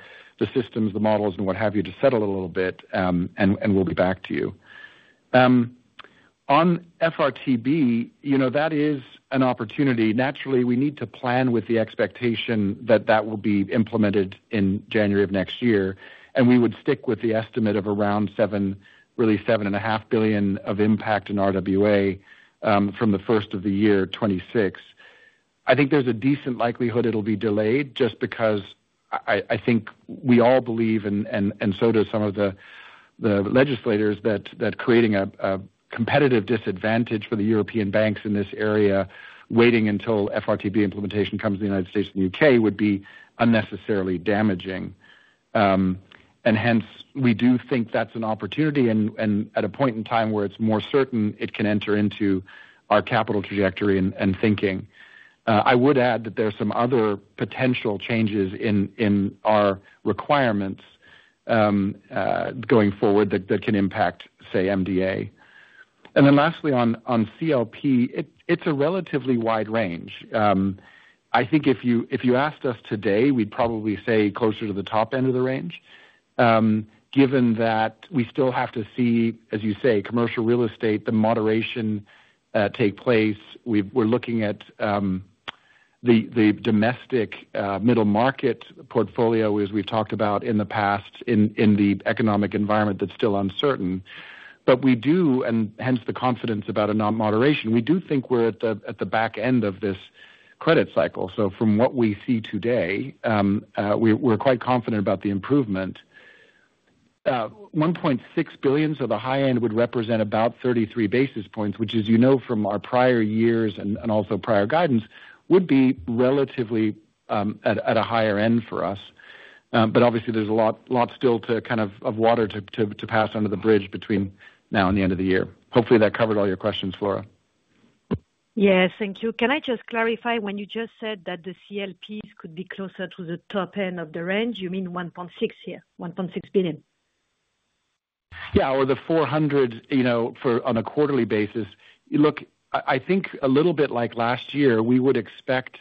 systems, the models, and what have you to settle a little bit, and we'll be back to you. On FRTB, that is an opportunity. Naturally, we need to plan with the expectation that that will be implemented in January of next year. And we would stick with the estimate of around 7 billion, really 7.5 billion of impact in RWA from the first of the year, 2026. I think there's a decent likelihood it'll be delayed just because I think we all believe, and so do some of the legislators, that creating a competitive disadvantage for the European banks in this area, waiting until FRTB implementation comes to the United States and the UK, would be unnecessarily damaging. And hence, we do think that's an opportunity. And at a point in time where it's more certain, it can enter into our capital trajectory and thinking. I would add that there are some other potential changes in our requirements going forward that can impact, say, MDA. And then lastly, on CLP, it's a relatively wide range. I think if you asked us today, we'd probably say closer to the top end of the range, given that we still have to see, as you say, commercial real estate, the moderation take place. We're looking at the domestic middle market portfolio, as we've talked about in the past, in the economic environment that's still uncertain. But we do, and hence the confidence about a non-moderation, we do think we're at the back end of this credit cycle. So from what we see today, we're quite confident about the improvement. 1.6 billion to the high end would represent about 33 basis points, which, as you know from our prior years and also prior guidance, would be relatively at a higher end for us. But obviously, there's a lot still of water to pass under the bridge between now and the end of the year. Hopefully, that covered all your questions, Flora. Yes, thank you. Can I just clarify? When you just said that the CLPs could be closer to the top end of the range, you mean 1.6 billion here, 1.6 billion? Yeah, or the 400 on a quarterly basis. Look, I think a little bit like last year, we would expect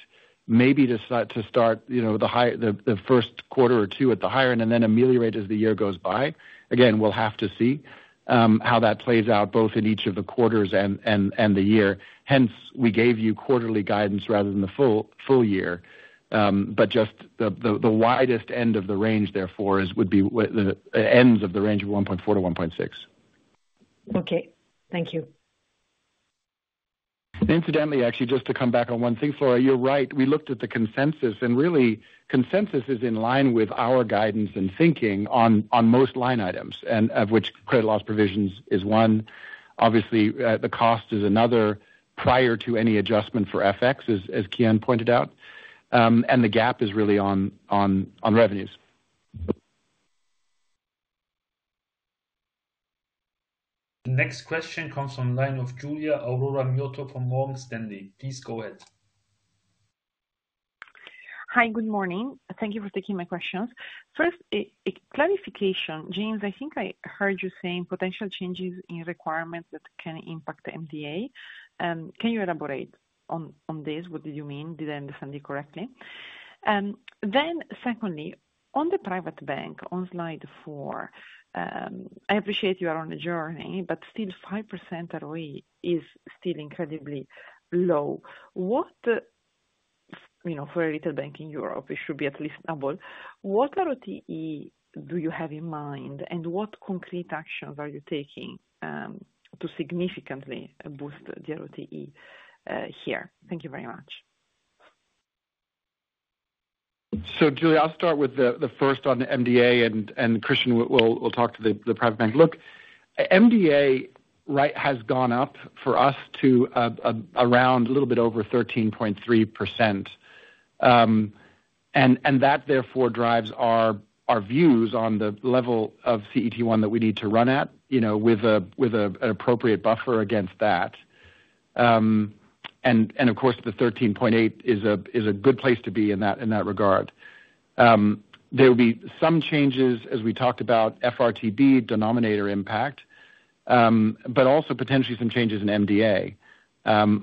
maybe to start the first quarter or two at the higher end and then ameliorate as the year goes by. Again, we'll have to see how that plays out both in each of the quarters and the year. Hence, we gave you quarterly guidance rather than the full year. But just the widest end of the range, therefore, would be the ends of the range of 1.4 billion- 1.6 billion. Okay. Thank you. Incidentally, actually, just to come back on one thing, Flora, you're right. We looked at the consensus. And really, consensus is in line with our guidance and thinking on most line items, of which credit loss provisions is one. Obviously, the cost is another prior to any adjustment for FX, as Kian pointed out. And the gap is really on revenues. The next question comes from Giulia Aurora Miotto from Morgan Stanley. Please go ahead. Hi, good morning. Thank you for taking my questions. First, clarification. James, I think I heard you saying potential changes in requirements that can impact the MDA. Can you elaborate on this? What did you mean? Did I understand you correctly? Then secondly, on the Private Bank, on slide four, I appreciate you are on a journey, but still 5% ROE is still incredibly low. For a Private Bank in Europe, it should be at least double. What ROTE do you have in mind, and what concrete actions are you taking to significantly boost the ROTE here? Thank you very much. So Julia, I'll start with the first on the MDA, and Christian will talk to the Private Bank. Look, MDA has gone up for us to around a little bit over 13.3%. And that, therefore, drives our views on the level of CET1 that we need to run at with an appropriate buffer against that. And of course, the 13.8% is a good place to be in that regard. There will be some changes, as we talked about, FRTB denominator impact, but also potentially some changes in MDA.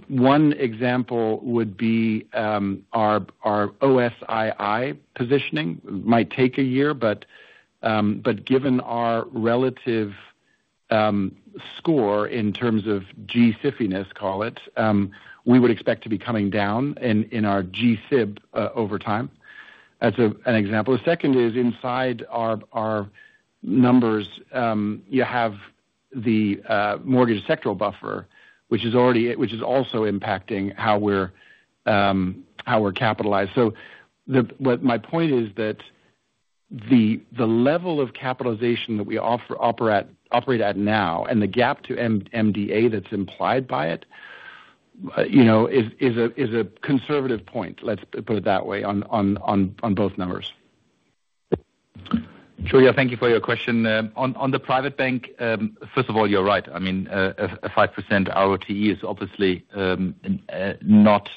One example would be our O-SII positioning. It might take a year, but given our relative score in terms of G-SIB-ness, call it, we would expect to be coming down in our G-SIB over time. That's an example. The second is inside our numbers, you have the mortgage sectoral buffer, which is also impacting how we're capitalized. So my point is that the level of capitalization that we operate at now and the gap to MDA that's implied by it is a conservative point, let's put it that way, on both numbers. Giulia, thank you for your question. On the Private Bank, first of all, you're right. I mean, a 5% ROTE is obviously not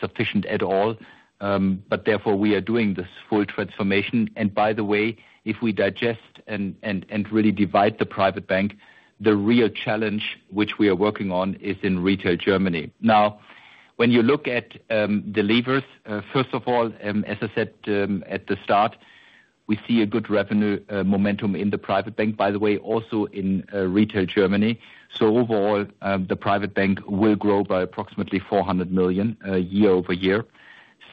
sufficient at all, but therefore, we are doing this full transformation, and by the way, if we digest and really divide the Private Bank, the real challenge which we are working on is in retail Germany. Now, when you look at the levers, first of all, as I said at the start, we see a good revenue momentum in the Private Bank, by the way, also in retail Germany. So overall, the Private Bank will grow by approximately 400 million year-over-year.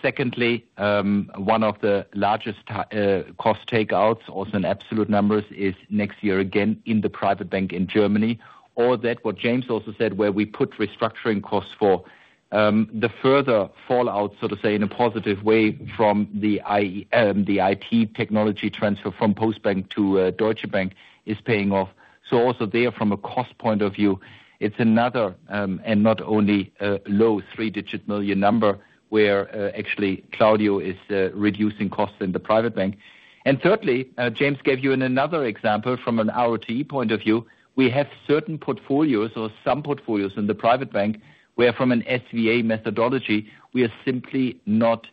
Secondly, one of the largest cost takeouts, also in absolute numbers, is next year again in the Private Bank in Germany. Or that what James also said, where we put restructuring costs for, the further fallout, so to say, in a positive way from the IT technology transfer from Postbank to Deutsche Bank is paying off. So also there, from a cost point of view, it's another and not only a low three-digit million number where actually Claudio is reducing costs in the Private Bank. And thirdly, James gave you another example from an ROTE point of view. We have certain portfolios or some portfolios in the Private Bank where, from an SVA methodology, we are simply not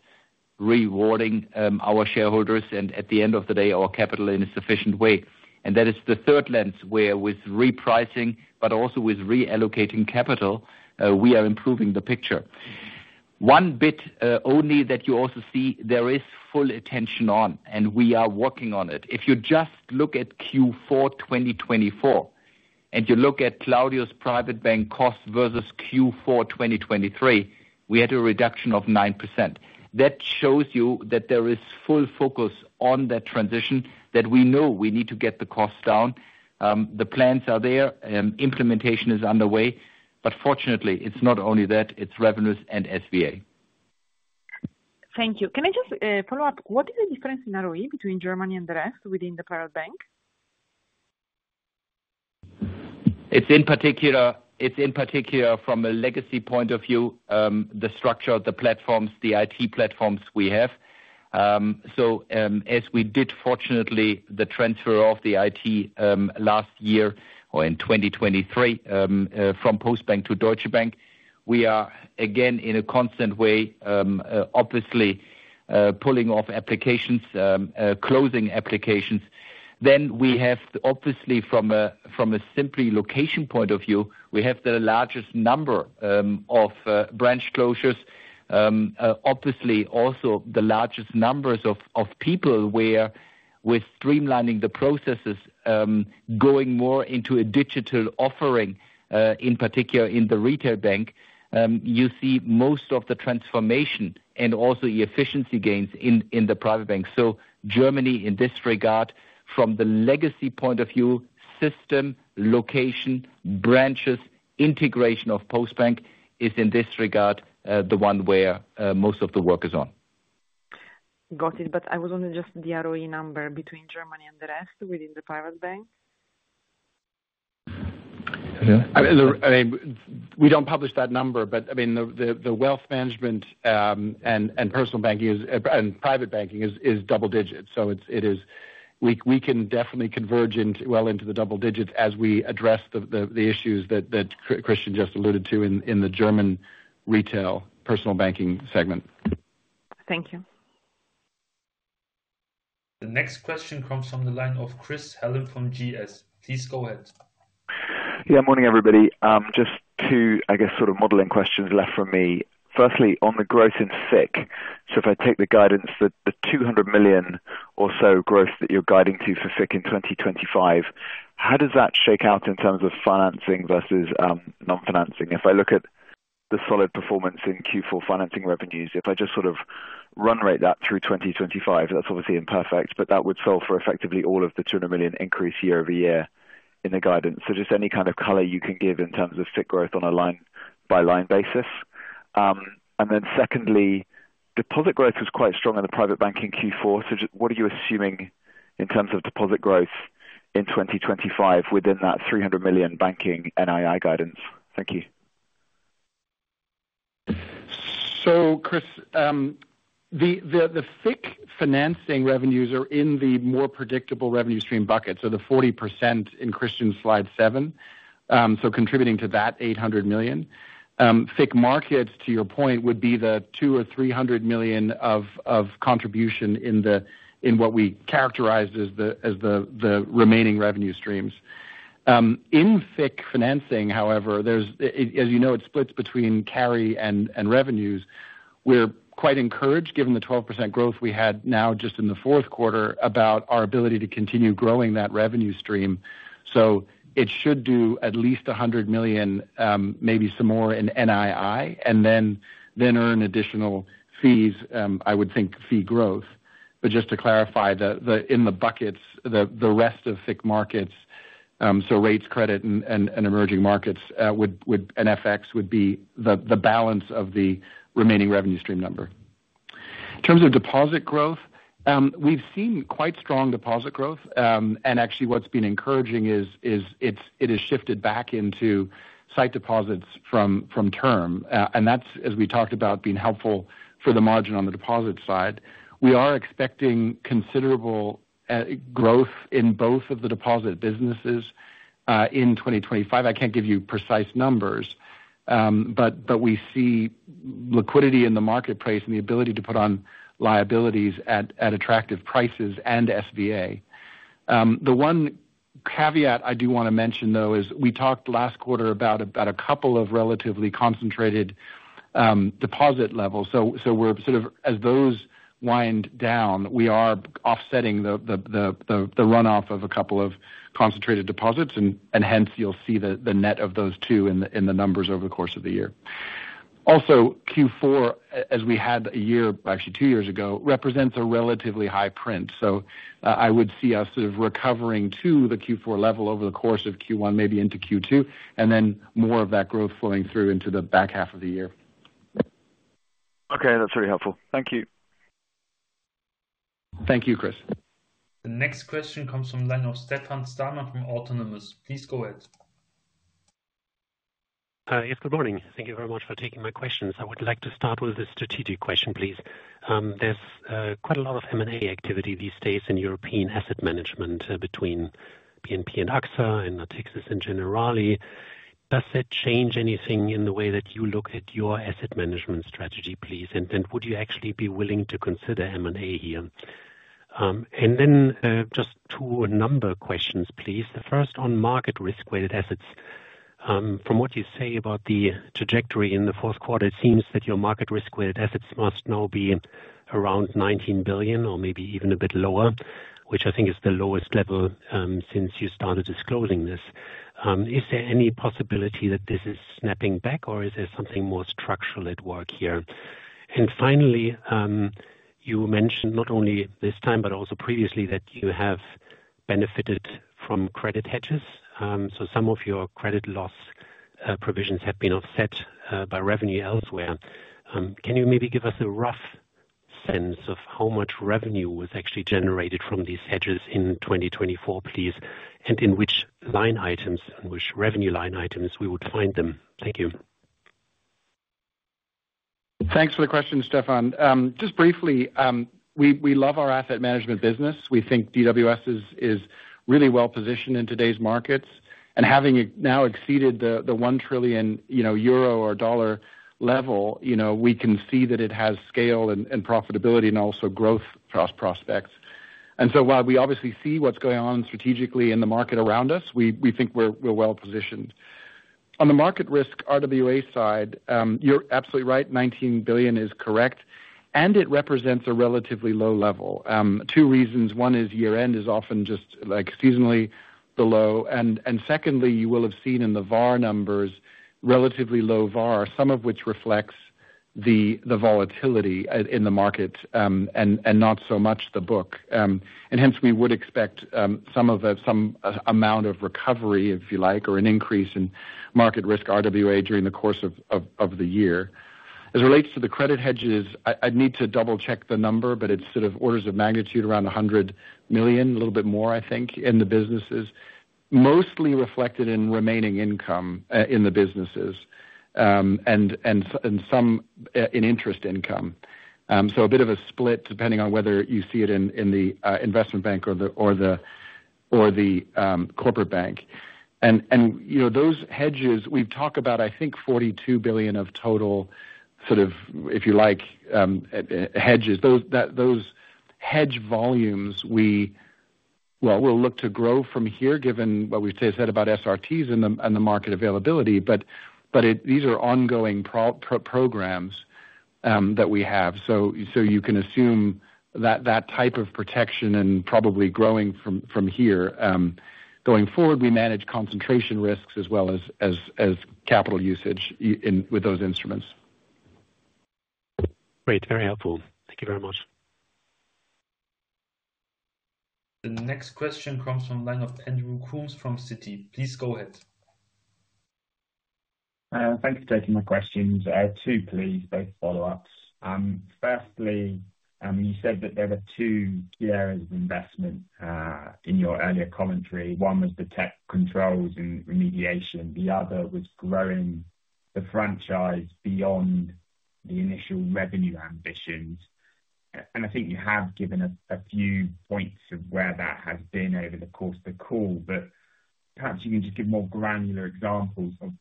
rewarding our shareholders and, at the end of the day, our capital in a sufficient way. That is the third lens where, with repricing, but also with reallocating capital, we are improving the picture. One bit only that you also see there is full attention on, and we are working on it. If you just look at Q4 2024 and you look at Claudio's Private Bank cost versus Q4 2023, we had a reduction of 9%. That shows you that there is full focus on that transition, that we know we need to get the costs down. The plans are there. Implementation is underway. But fortunately, it's not only that. It's revenues and SVA. Thank you. Can I just follow up? What is the difference in ROE between Germany and the rest within the Private Bank? It's in particular, from a legacy point of view, the structure of the platforms, the IT platforms we have. So as we did, fortunately, the transfer of the IT last year or in 2023 from Postbank to Deutsche Bank, we are again, in a constant way, obviously pulling off applications, closing applications. Then we have, obviously, from a simple location point of view, we have the largest number of branch closures, obviously also the largest numbers of people where, with streamlining the processes, going more into a digital offering, in particular in the Retail Bank, you see most of the transformation and also efficiency gains in the Private Bank. Germany, in this regard, from the legacy point of view, system, location, branches, integration of Postbank is, in this regard, the one where most of the work is on. Got it. I was only just [asking about] the ROE number between Germany and the rest within the Private Bank. I mean, we don't publish that number, but I mean, the wealth management and Personal Banking and private banking is double digits. So we can definitely converge well into the double digits as we address the issues that Christian just alluded to in the German retail Personal Banking segment. Thank you. The next question comes from the line of Chris Hallam from GS. Please go ahead. Yeah, morning, everybody. Just two, I guess, sort of modeling questions left for me. Firstly, on the growth in FICC, so if I take the guidance, the 200 million or so growth that you're guiding to for FICC in 2025, how does that shake out in terms of financing versus non-financing? If I look at the solid performance in Q4 financing revenues, if I just sort of run rate that through 2025, that's obviously imperfect, but that would solve for effectively all of the 200 million increase year-over-year in the guidance. Just any kind of color you can give in terms of FICC growth on a line-by-line basis. And then secondly, deposit growth is quite strong in the Private Bank in Q4. So what are you assuming in terms of deposit growth in 2025 within that 300 million banking NII guidance? Thank you. Chris, the FICC financing revenues are in the more predictable revenue stream bucket, so the 40% in Christian's slide seven, so contributing to that 800 million. FICC markets, to your point, would be the 2 or 3 hundred million of contribution in what we characterize as the remaining revenue streams. In FICC financing, however, as you know, it splits between carry and revenues. We're quite encouraged, given the 12% growth we had now just in the fourth quarter, about our ability to continue growing that revenue stream. So it should do at least 100 million, maybe some more in NII, and then earn additional fees, I would think, fee growth. But just to clarify, in the buckets, the rest of FICC markets, so rates, credit, and emerging markets, and FX would be the balance of the remaining revenue stream number. In terms of deposit growth, we've seen quite strong deposit growth. And actually, what's been encouraging is it has shifted back into sight deposits from term. And that's, as we talked about, been helpful for the margin on the deposit side. We are expecting considerable growth in both of the deposit businesses in 2025. I can't give you precise numbers, but we see liquidity in the marketplace and the ability to put on liabilities at attractive prices and SVA. The one caveat I do want to mention, though, is we talked last quarter about a couple of relatively concentrated deposit levels. So as those wind down, we are offsetting the runoff of a couple of concentrated deposits. And hence, you'll see the net of those two in the numbers over the course of the year. Also, Q4, as we had a year, actually two years ago, represents a relatively high print. So I would see us sort of recovering to the Q4 level over the course of Q1, maybe into Q2, and then more of that growth flowing through into the back half of the year. Okay, that's very helpful. Thank you. Thank you, Chris. The next question comes from the line of Stefan Stalmann from Autonomous. Please go ahead. Yes, good morning. Thank you very much for taking my questions. I would like to start with the strategic question, please. There's quite a lot of M&A activity these days in European asset management between BNP and AXA and Natixis and Generali. Does that change anything in the way that you look at your asset management strategy, please? And then just two number questions, please. The first on market risk-weighted assets. From what you say about the trajectory in the fourth quarter, it seems that your market risk-weighted assets must now be around 19 billion or maybe even a bit lower, which I think is the lowest level since you started disclosing this. Is there any possibility that this is snapping back, or is there something more structural at work here? And finally, you mentioned not only this time, but also previously that you have benefited from credit hedges. So some of your credit loss provisions have been offset by revenue elsewhere. Can you maybe give us a rough sense of how much revenue was actually generated from these hedges in 2024, please? And in which line items, which revenue line items we would find them? Thank you. Thanks for the question, Stefan. Just briefly, we love our asset management business. We think DWS is really well positioned in today's markets. And having now exceeded the 1 trillion euro or USD 1 trillion level, we can see that it has scale and profitability and also growth prospects. And so while we obviously see what's going on strategically in the market around us, we think we're well positioned. On the market risk RWA side, you're absolutely right. 19 billion is correct. And it represents a relatively low level. Two reasons. One is year-end is often just seasonally below. And secondly, you will have seen in the VAR numbers, relatively low VAR, some of which reflects the volatility in the market and not so much the book. And hence, we would expect some amount of recovery, if you like, or an increase in market risk RWA during the course of the year. As it relates to the credit hedges, I'd need to double-check the number, but it's sort of orders of magnitude around 100 million, a little bit more, I think, in the businesses, mostly reflected in remaining income in the businesses and some in interest income. So a bit of a split depending on whether you see it in the Investment Bank or the Corporate Bank. And those hedges, we've talked about, I think, 42 billion of total sort of, if you like, hedges. Those hedge volumes, well, we'll look to grow from here, given what we've said about SRTs and the market availability. But these are ongoing programs that we have. So you can assume that type of protection and probably growing from here. Going forward, we manage concentration risks as well as capital usage with those instruments. Great. Very helpful. Thank you very much. The next question comes from the line of Andrew Coombs from Citi. Please go ahead. Thanks for taking my questions. Two, please, both follow-ups. Firstly, you said that there were two key areas of investment in your earlier commentary. One was the tech controls and remediation. The other was growing the franchise beyond the initial revenue ambitions. And I think you have given a few points of where that has been over the course of the call. But perhaps you can just give more granular examples of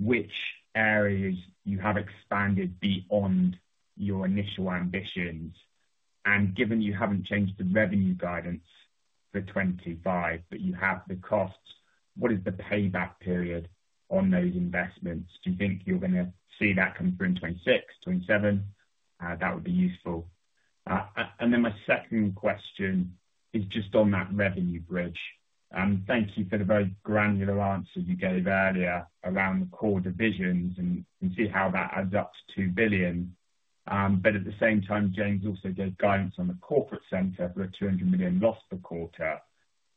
which areas you have expanded beyond your initial ambitions. And given you haven't changed the revenue guidance for 2025, but you have the costs, what is the payback period on those investments? Do you think you're going to see that come through in 2026, 2027? That would be useful. And then my second question is just on that revenue bridge. Thank you for the very granular answer you gave earlier around the core divisions and see how that adds up to 2 billion. But at the same time, James also gave guidance on the corporate center for a 200 million loss per quarter,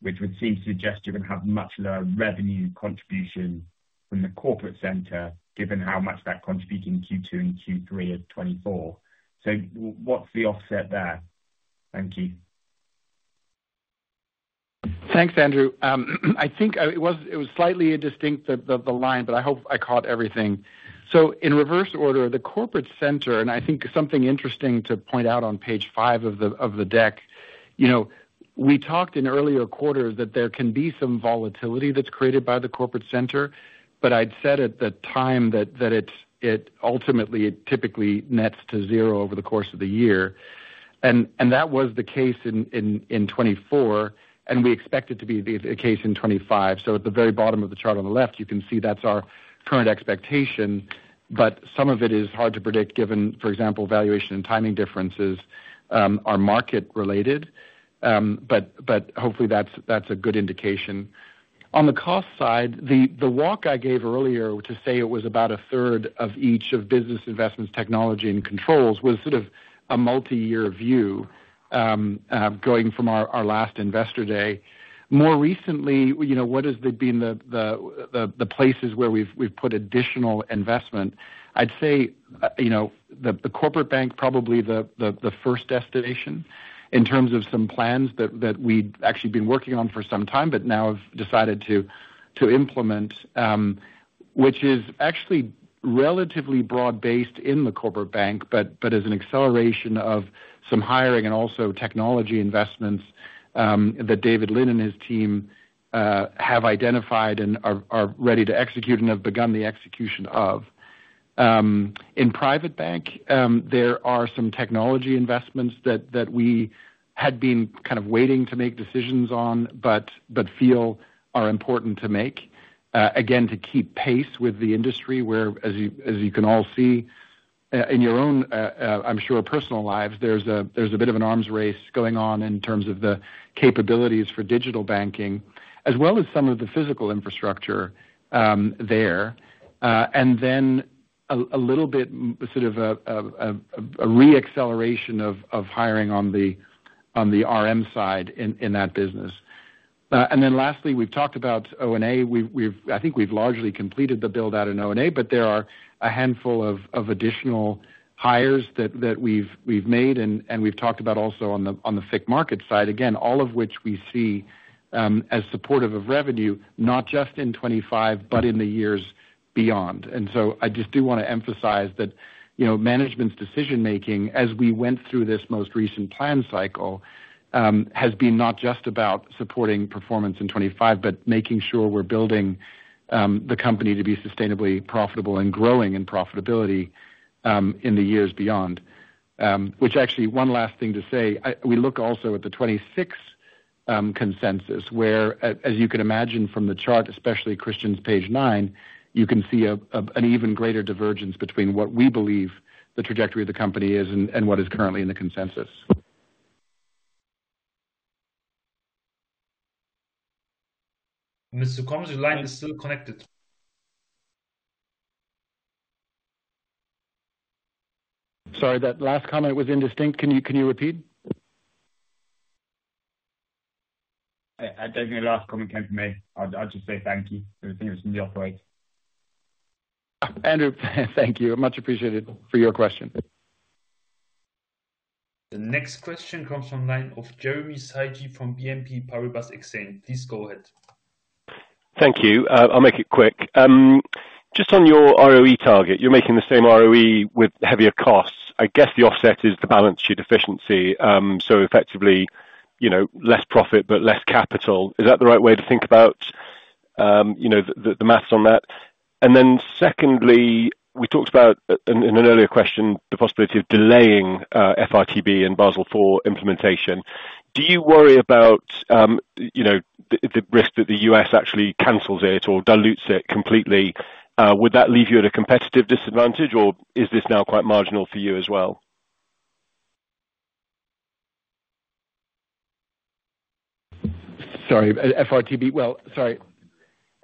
which would seem to suggest you're going to have much lower revenue contribution from the corporate center, given how much that contributed in Q2 and Q3 of 2024. So what's the offset there? Thank you. Thanks, Andrew. I think it was slightly a distinct line, but I hope I caught everything. So in reverse order, the corporate center, and I think something interesting to point out on page five of the deck, we talked in earlier quarters that there can be some volatility that's created by the corporate center, but I'd said at the time that it ultimately typically nets to zero over the course of the year. And that was the case in 2024, and we expect it to be the case in 2025. So at the very bottom of the chart on the left, you can see that's our current expectation. But some of it is hard to predict, given, for example, valuation and timing differences are market-related. But hopefully, that's a good indication. On the cost side, the walk I gave earlier to say it was about a third of each of business investments, technology, and controls was sort of a multi-year view going from our last investor day. More recently, what has been the places where we've put additional investment? I'd say the Corporate Bank, probably the first destination in terms of some plans that we've actually been working on for some time, but now have decided to implement, which is actually relatively broad-based in the Corporate Bank, but as an acceleration of some hiring and also technology investments that David Lynne and his team have identified and are ready to execute and have begun the execution of. In Private Bank, there are some technology investments that we had been kind of waiting to make decisions on, but feel are important to make, again, to keep pace with the industry where, as you can all see in your own, I'm sure, personal lives, there's a bit of an arms race going on in terms of the capabilities for digital banking, as well as some of the physical infrastructure there. And then a little bit sort of a re-acceleration of hiring on the RM side in that business. And then lastly, we've talked about O&A. I think we've largely completed the build-out in O&A, but there are a handful of additional hires that we've made. And we've talked about also on the FICC market side, again, all of which we see as supportive of revenue, not just in 2025, but in the years beyond. And so I just do want to emphasize that management's decision-making, as we went through this most recent plan cycle, has been not just about supporting performance in 2025, but making sure we're building the company to be sustainably profitable and growing in profitability in the years beyond. Which actually, one last thing to say, we look also at the 2026 consensus, where, as you can imagine from the chart, especially Christian's page nine, you can see an even greater divergence between what we believe the trajectory of the company is and what is currently in the consensus. Mr. Coombs, your line is still connected. Sorry, that last comment was indistinct. Can you repeat? I don't think the last comment came from me. I'll just say thank you. Everything was in the operator. Andrew, thank you. Much appreciated for your question. The next question comes from the line of Jeremy Sigee from BNP Paribas Exane. Please go ahead. Thank you. I'll make it quick. Just on your ROE target, you're making the same ROE with heavier costs. I guess the offset is the balance sheet efficiency. So effectively, less profit, but less capital. Is that the right way to think about the math on that? And then secondly, we talked about in an earlier question, the possibility of delaying FRTB and Basel IV implementation. Do you worry about the risk that the U.S. actually cancels it or dilutes it completely? Would that leave you at a competitive disadvantage, or is this now quite marginal for you as well? Sorry. Well, sorry.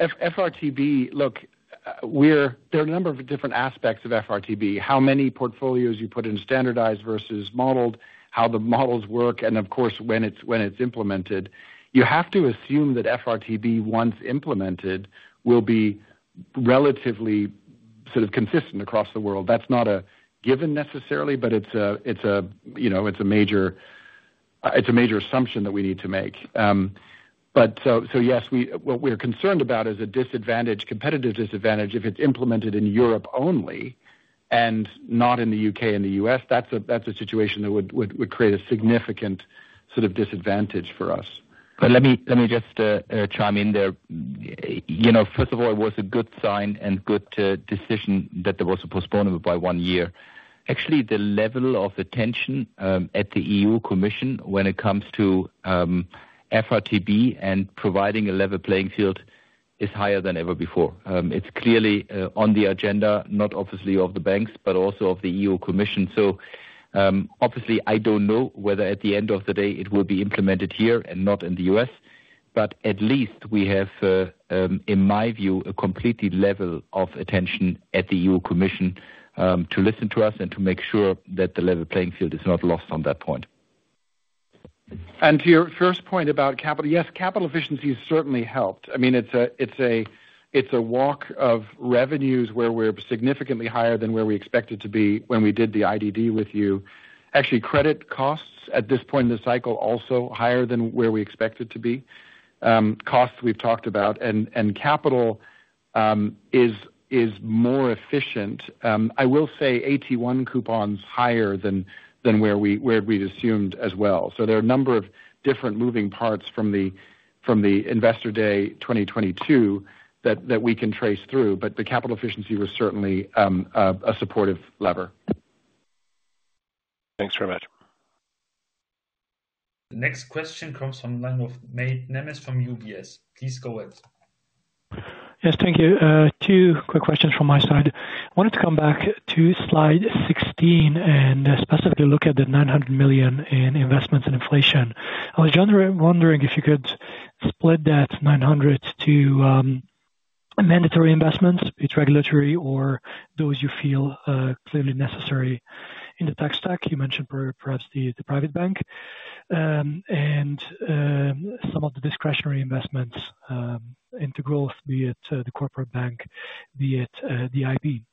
FRTB, look, there are a number of different aspects of FRTB. How many portfolios you put in standardized versus modeled, how the models work, and of course, when it's implemented. You have to assume that FRTB, once implemented, will be relatively sort of consistent across the world. That's not a given necessarily, but it's a major assumption that we need to make. But so yes, what we're concerned about is a competitive disadvantage if it's implemented in Europe only and not in the U.K., and the U.S. That's a situation that would create a significant sort of disadvantage for us. But let me just chime in there. First of all, it was a good sign and good decision that there was a postponement by one year. Actually, the level of attention at the EU Commission when it comes to FRTB and providing a level playing field is higher than ever before. It's clearly on the agenda, not only of the banks, but also of the EU Commission. So obviously, I don't know whether at the end of the day it will be implemented here and not in the U.S. But at least we have, in my view, a completely level of attention at the EU Commission to listen to us and to make sure that the level playing field is not lost on that point. And to your first point about capital, yes, capital efficiency has certainly helped. I mean, it's a walk of revenues where we're significantly higher than where we expected to be when we did the IDD with you. Actually, credit costs at this point in the cycle also higher than where we expected to be. Costs we've talked about and capital is more efficient. I will say AT1 coupons higher than where we'd assumed as well. So there are a number of different moving parts from the investor day 2022 that we can trace through, but the capital efficiency was certainly a supportive lever. Thanks very much. The next question comes from Mate Nemes from UBS. Please go ahead. Yes, thank you. Two quick questions from my side. I wanted to come back to slide 16 and specifically look at the 900 million in investments and inflation. I was generally wondering if you could split that 900 million to mandatory investments, it's regulatory, or those you feel clearly necessary in the tech stack. You mentioned perhaps the Private Bank and some of the discretionary investments into growth, be it the Corporate Bank, be it the IB.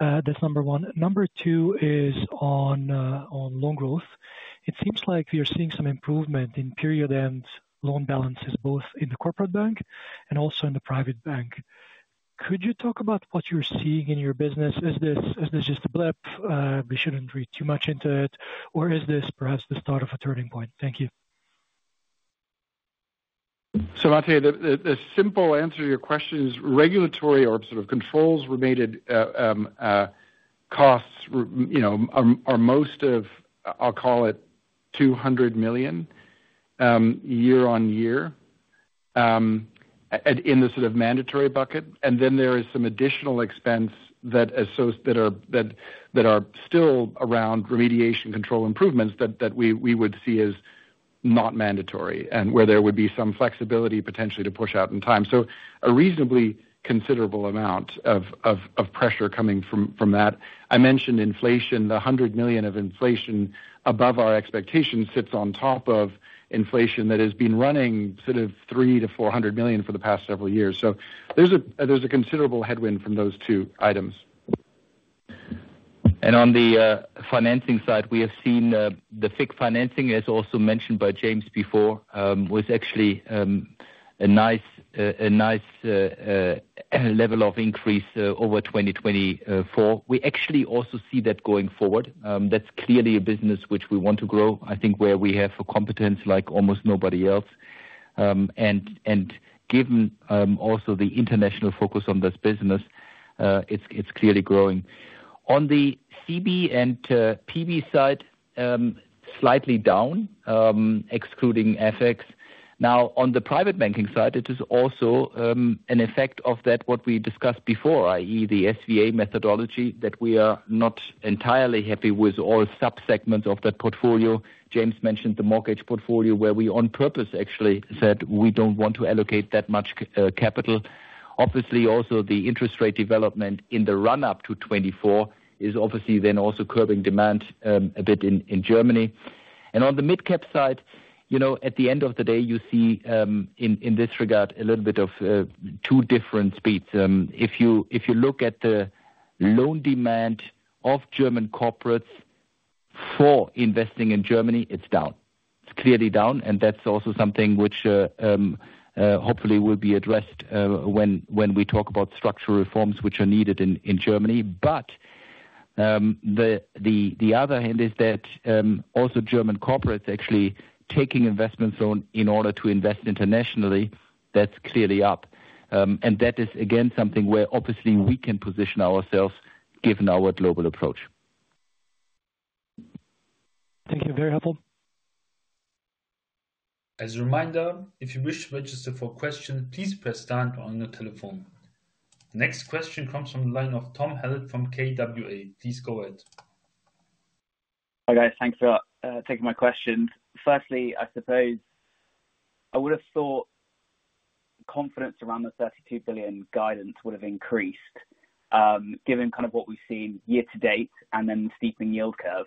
That's number one. Number two is on loan growth. It seems like we are seeing some improvement in period-end loan balances, both in the Corporate Bank and also in the Private Bank. Could you talk about what you're seeing in your business? Is this just a blip? We shouldn't read too much into it. Or is this perhaps the start of a turning point? Thank you. So Mate, the simple answer to your question is regulatory or sort of controls-related costs are most of, I'll call it, 200 million year-on-year in the sort of mandatory bucket. And then there is some additional expense that are still around remediation control improvements that we would see as not mandatory and where there would be some flexibility potentially to push out in time. So a reasonably considerable amount of pressure coming from that. I mentioned inflation, the 100 million of inflation above our expectations sits on top of inflation that has been running sort of three to 400 million for the past several years. So there's a considerable headwind from those two items. And on the financing side, we have seen the FICC financing, as also mentioned by James before, was actually a nice level of increase over 2024. We actually also see that going forward. That's clearly a business which we want to grow. I think where we have a competence like almost nobody else. And given also the international focus on this business, it's clearly growing. On the CB and PB side, slightly down, excluding FX. Now, on the private banking side, it is also an effect of that what we discussed before, i.e., the SVA methodology that we are not entirely happy with all subsegments of that portfolio. James mentioned the mortgage portfolio where we on purpose actually said we don't want to allocate that much capital. Obviously, also the interest rate development in the run-up to 2024 is obviously then also curbing demand a bit in Germany. And on the midcap side, at the end of the day, you see in this regard a little bit of two different speeds. If you look at the loan demand of German corporates for investing in Germany, it's down. It's clearly down. And that's also something which hopefully will be addressed when we talk about structural reforms which are needed in Germany. But the other hand is that also German corporates actually taking investments in order to invest internationally, that's clearly up. And that is, again, something where obviously we can position ourselves given our global approach. Thank you. Very helpful. As a reminder, if you wish to register for questions, please press start on your telephone. Next question comes from the line of Tom Hallett from KBW. Please go ahead. Hi guys. Thanks for taking my questions. Firstly, I suppose I would have thought confidence around the 32 billion guidance would have increased given kind of what we've seen year to date and then the steepening yield curve.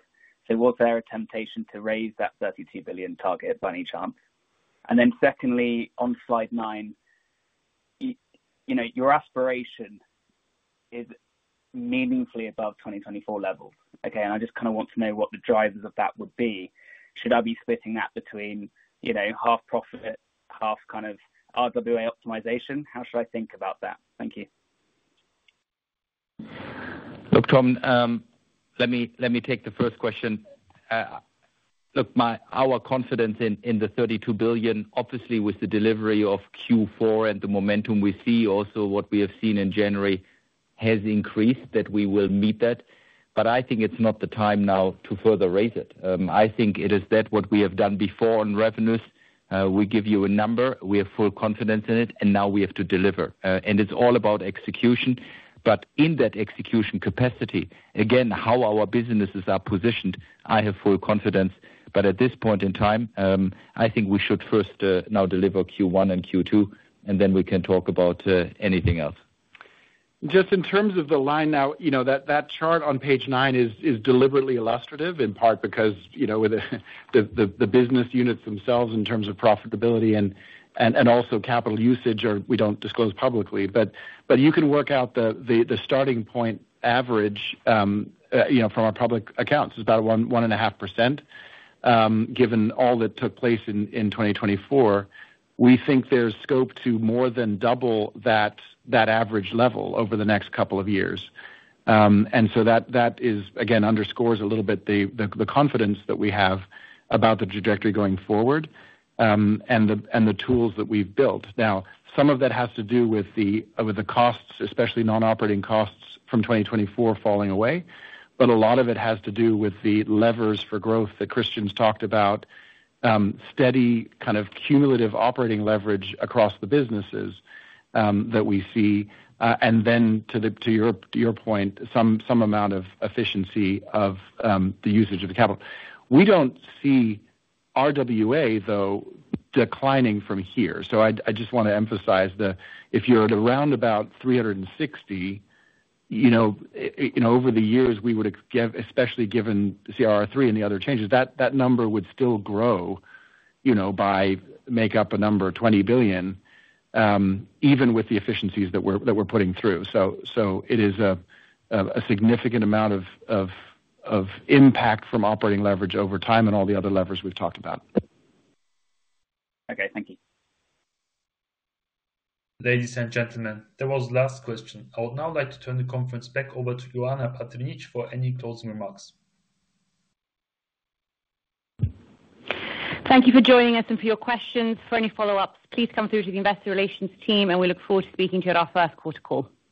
So was there a temptation to raise that 32 billion target by any chance? And then secondly, on slide nine, your aspiration is meaningfully above 2024 levels. Okay. And I just kind of want to know what the drivers of that would be. Should I be splitting that between half profit, half kind of RWA optimization? How should I think about that? Thank you. Look, Tom, let me take the first question. Look, our confidence in the 32 billion, obviously with the delivery of Q4 and the momentum we see, also what we have seen in January has increased that we will meet that. But I think it's not the time now to further raise it. I think it is that what we have done before on revenues. We give you a number. We have full confidence in it. And now we have to deliver. And it's all about execution. But in that execution capacity, again, how our businesses are positioned, I have full confidence. But at this point in time, I think we should first now deliver Q1 and Q2, and then we can talk about anything else. Just in terms of the line now, that chart on page nine is deliberately illustrative in part because with the business units themselves in terms of profitability and also capital usage, we don't disclose publicly. But you can work out the starting point average from our public accounts is about 1.5%. Given all that took place in 2024, we think there's scope to more than double that average level over the next couple of years. That underscores a little bit the confidence that we have about the trajectory going forward and the tools that we've built. Now, some of that has to do with the costs, especially non-operating costs from 2024 falling away. But a lot of it has to do with the levers for growth that Christian's talked about, steady kind of cumulative operating leverage across the businesses that we see. Then to your point, some amount of efficiency of the usage of the capital. We don't see RWA, though, declining from here. I just want to emphasize that if you're at around about 360, over the years, we would have, especially given CRR3 and the other changes, that number would still grow by make up a number of 20 billion, even with the efficiencies that we're putting through. So it is a significant amount of impact from operating leverage over time and all the other levers we've talked about. Okay. Thank you. Ladies and gentlemen, that was the last question. I would now like to turn the conference back over to Ioana Patrinich for any closing remarks. Thank you for joining us and for your questions. For any follow-ups, please come through to the investor relations team, and we look forward to speaking to you at our first quarter call.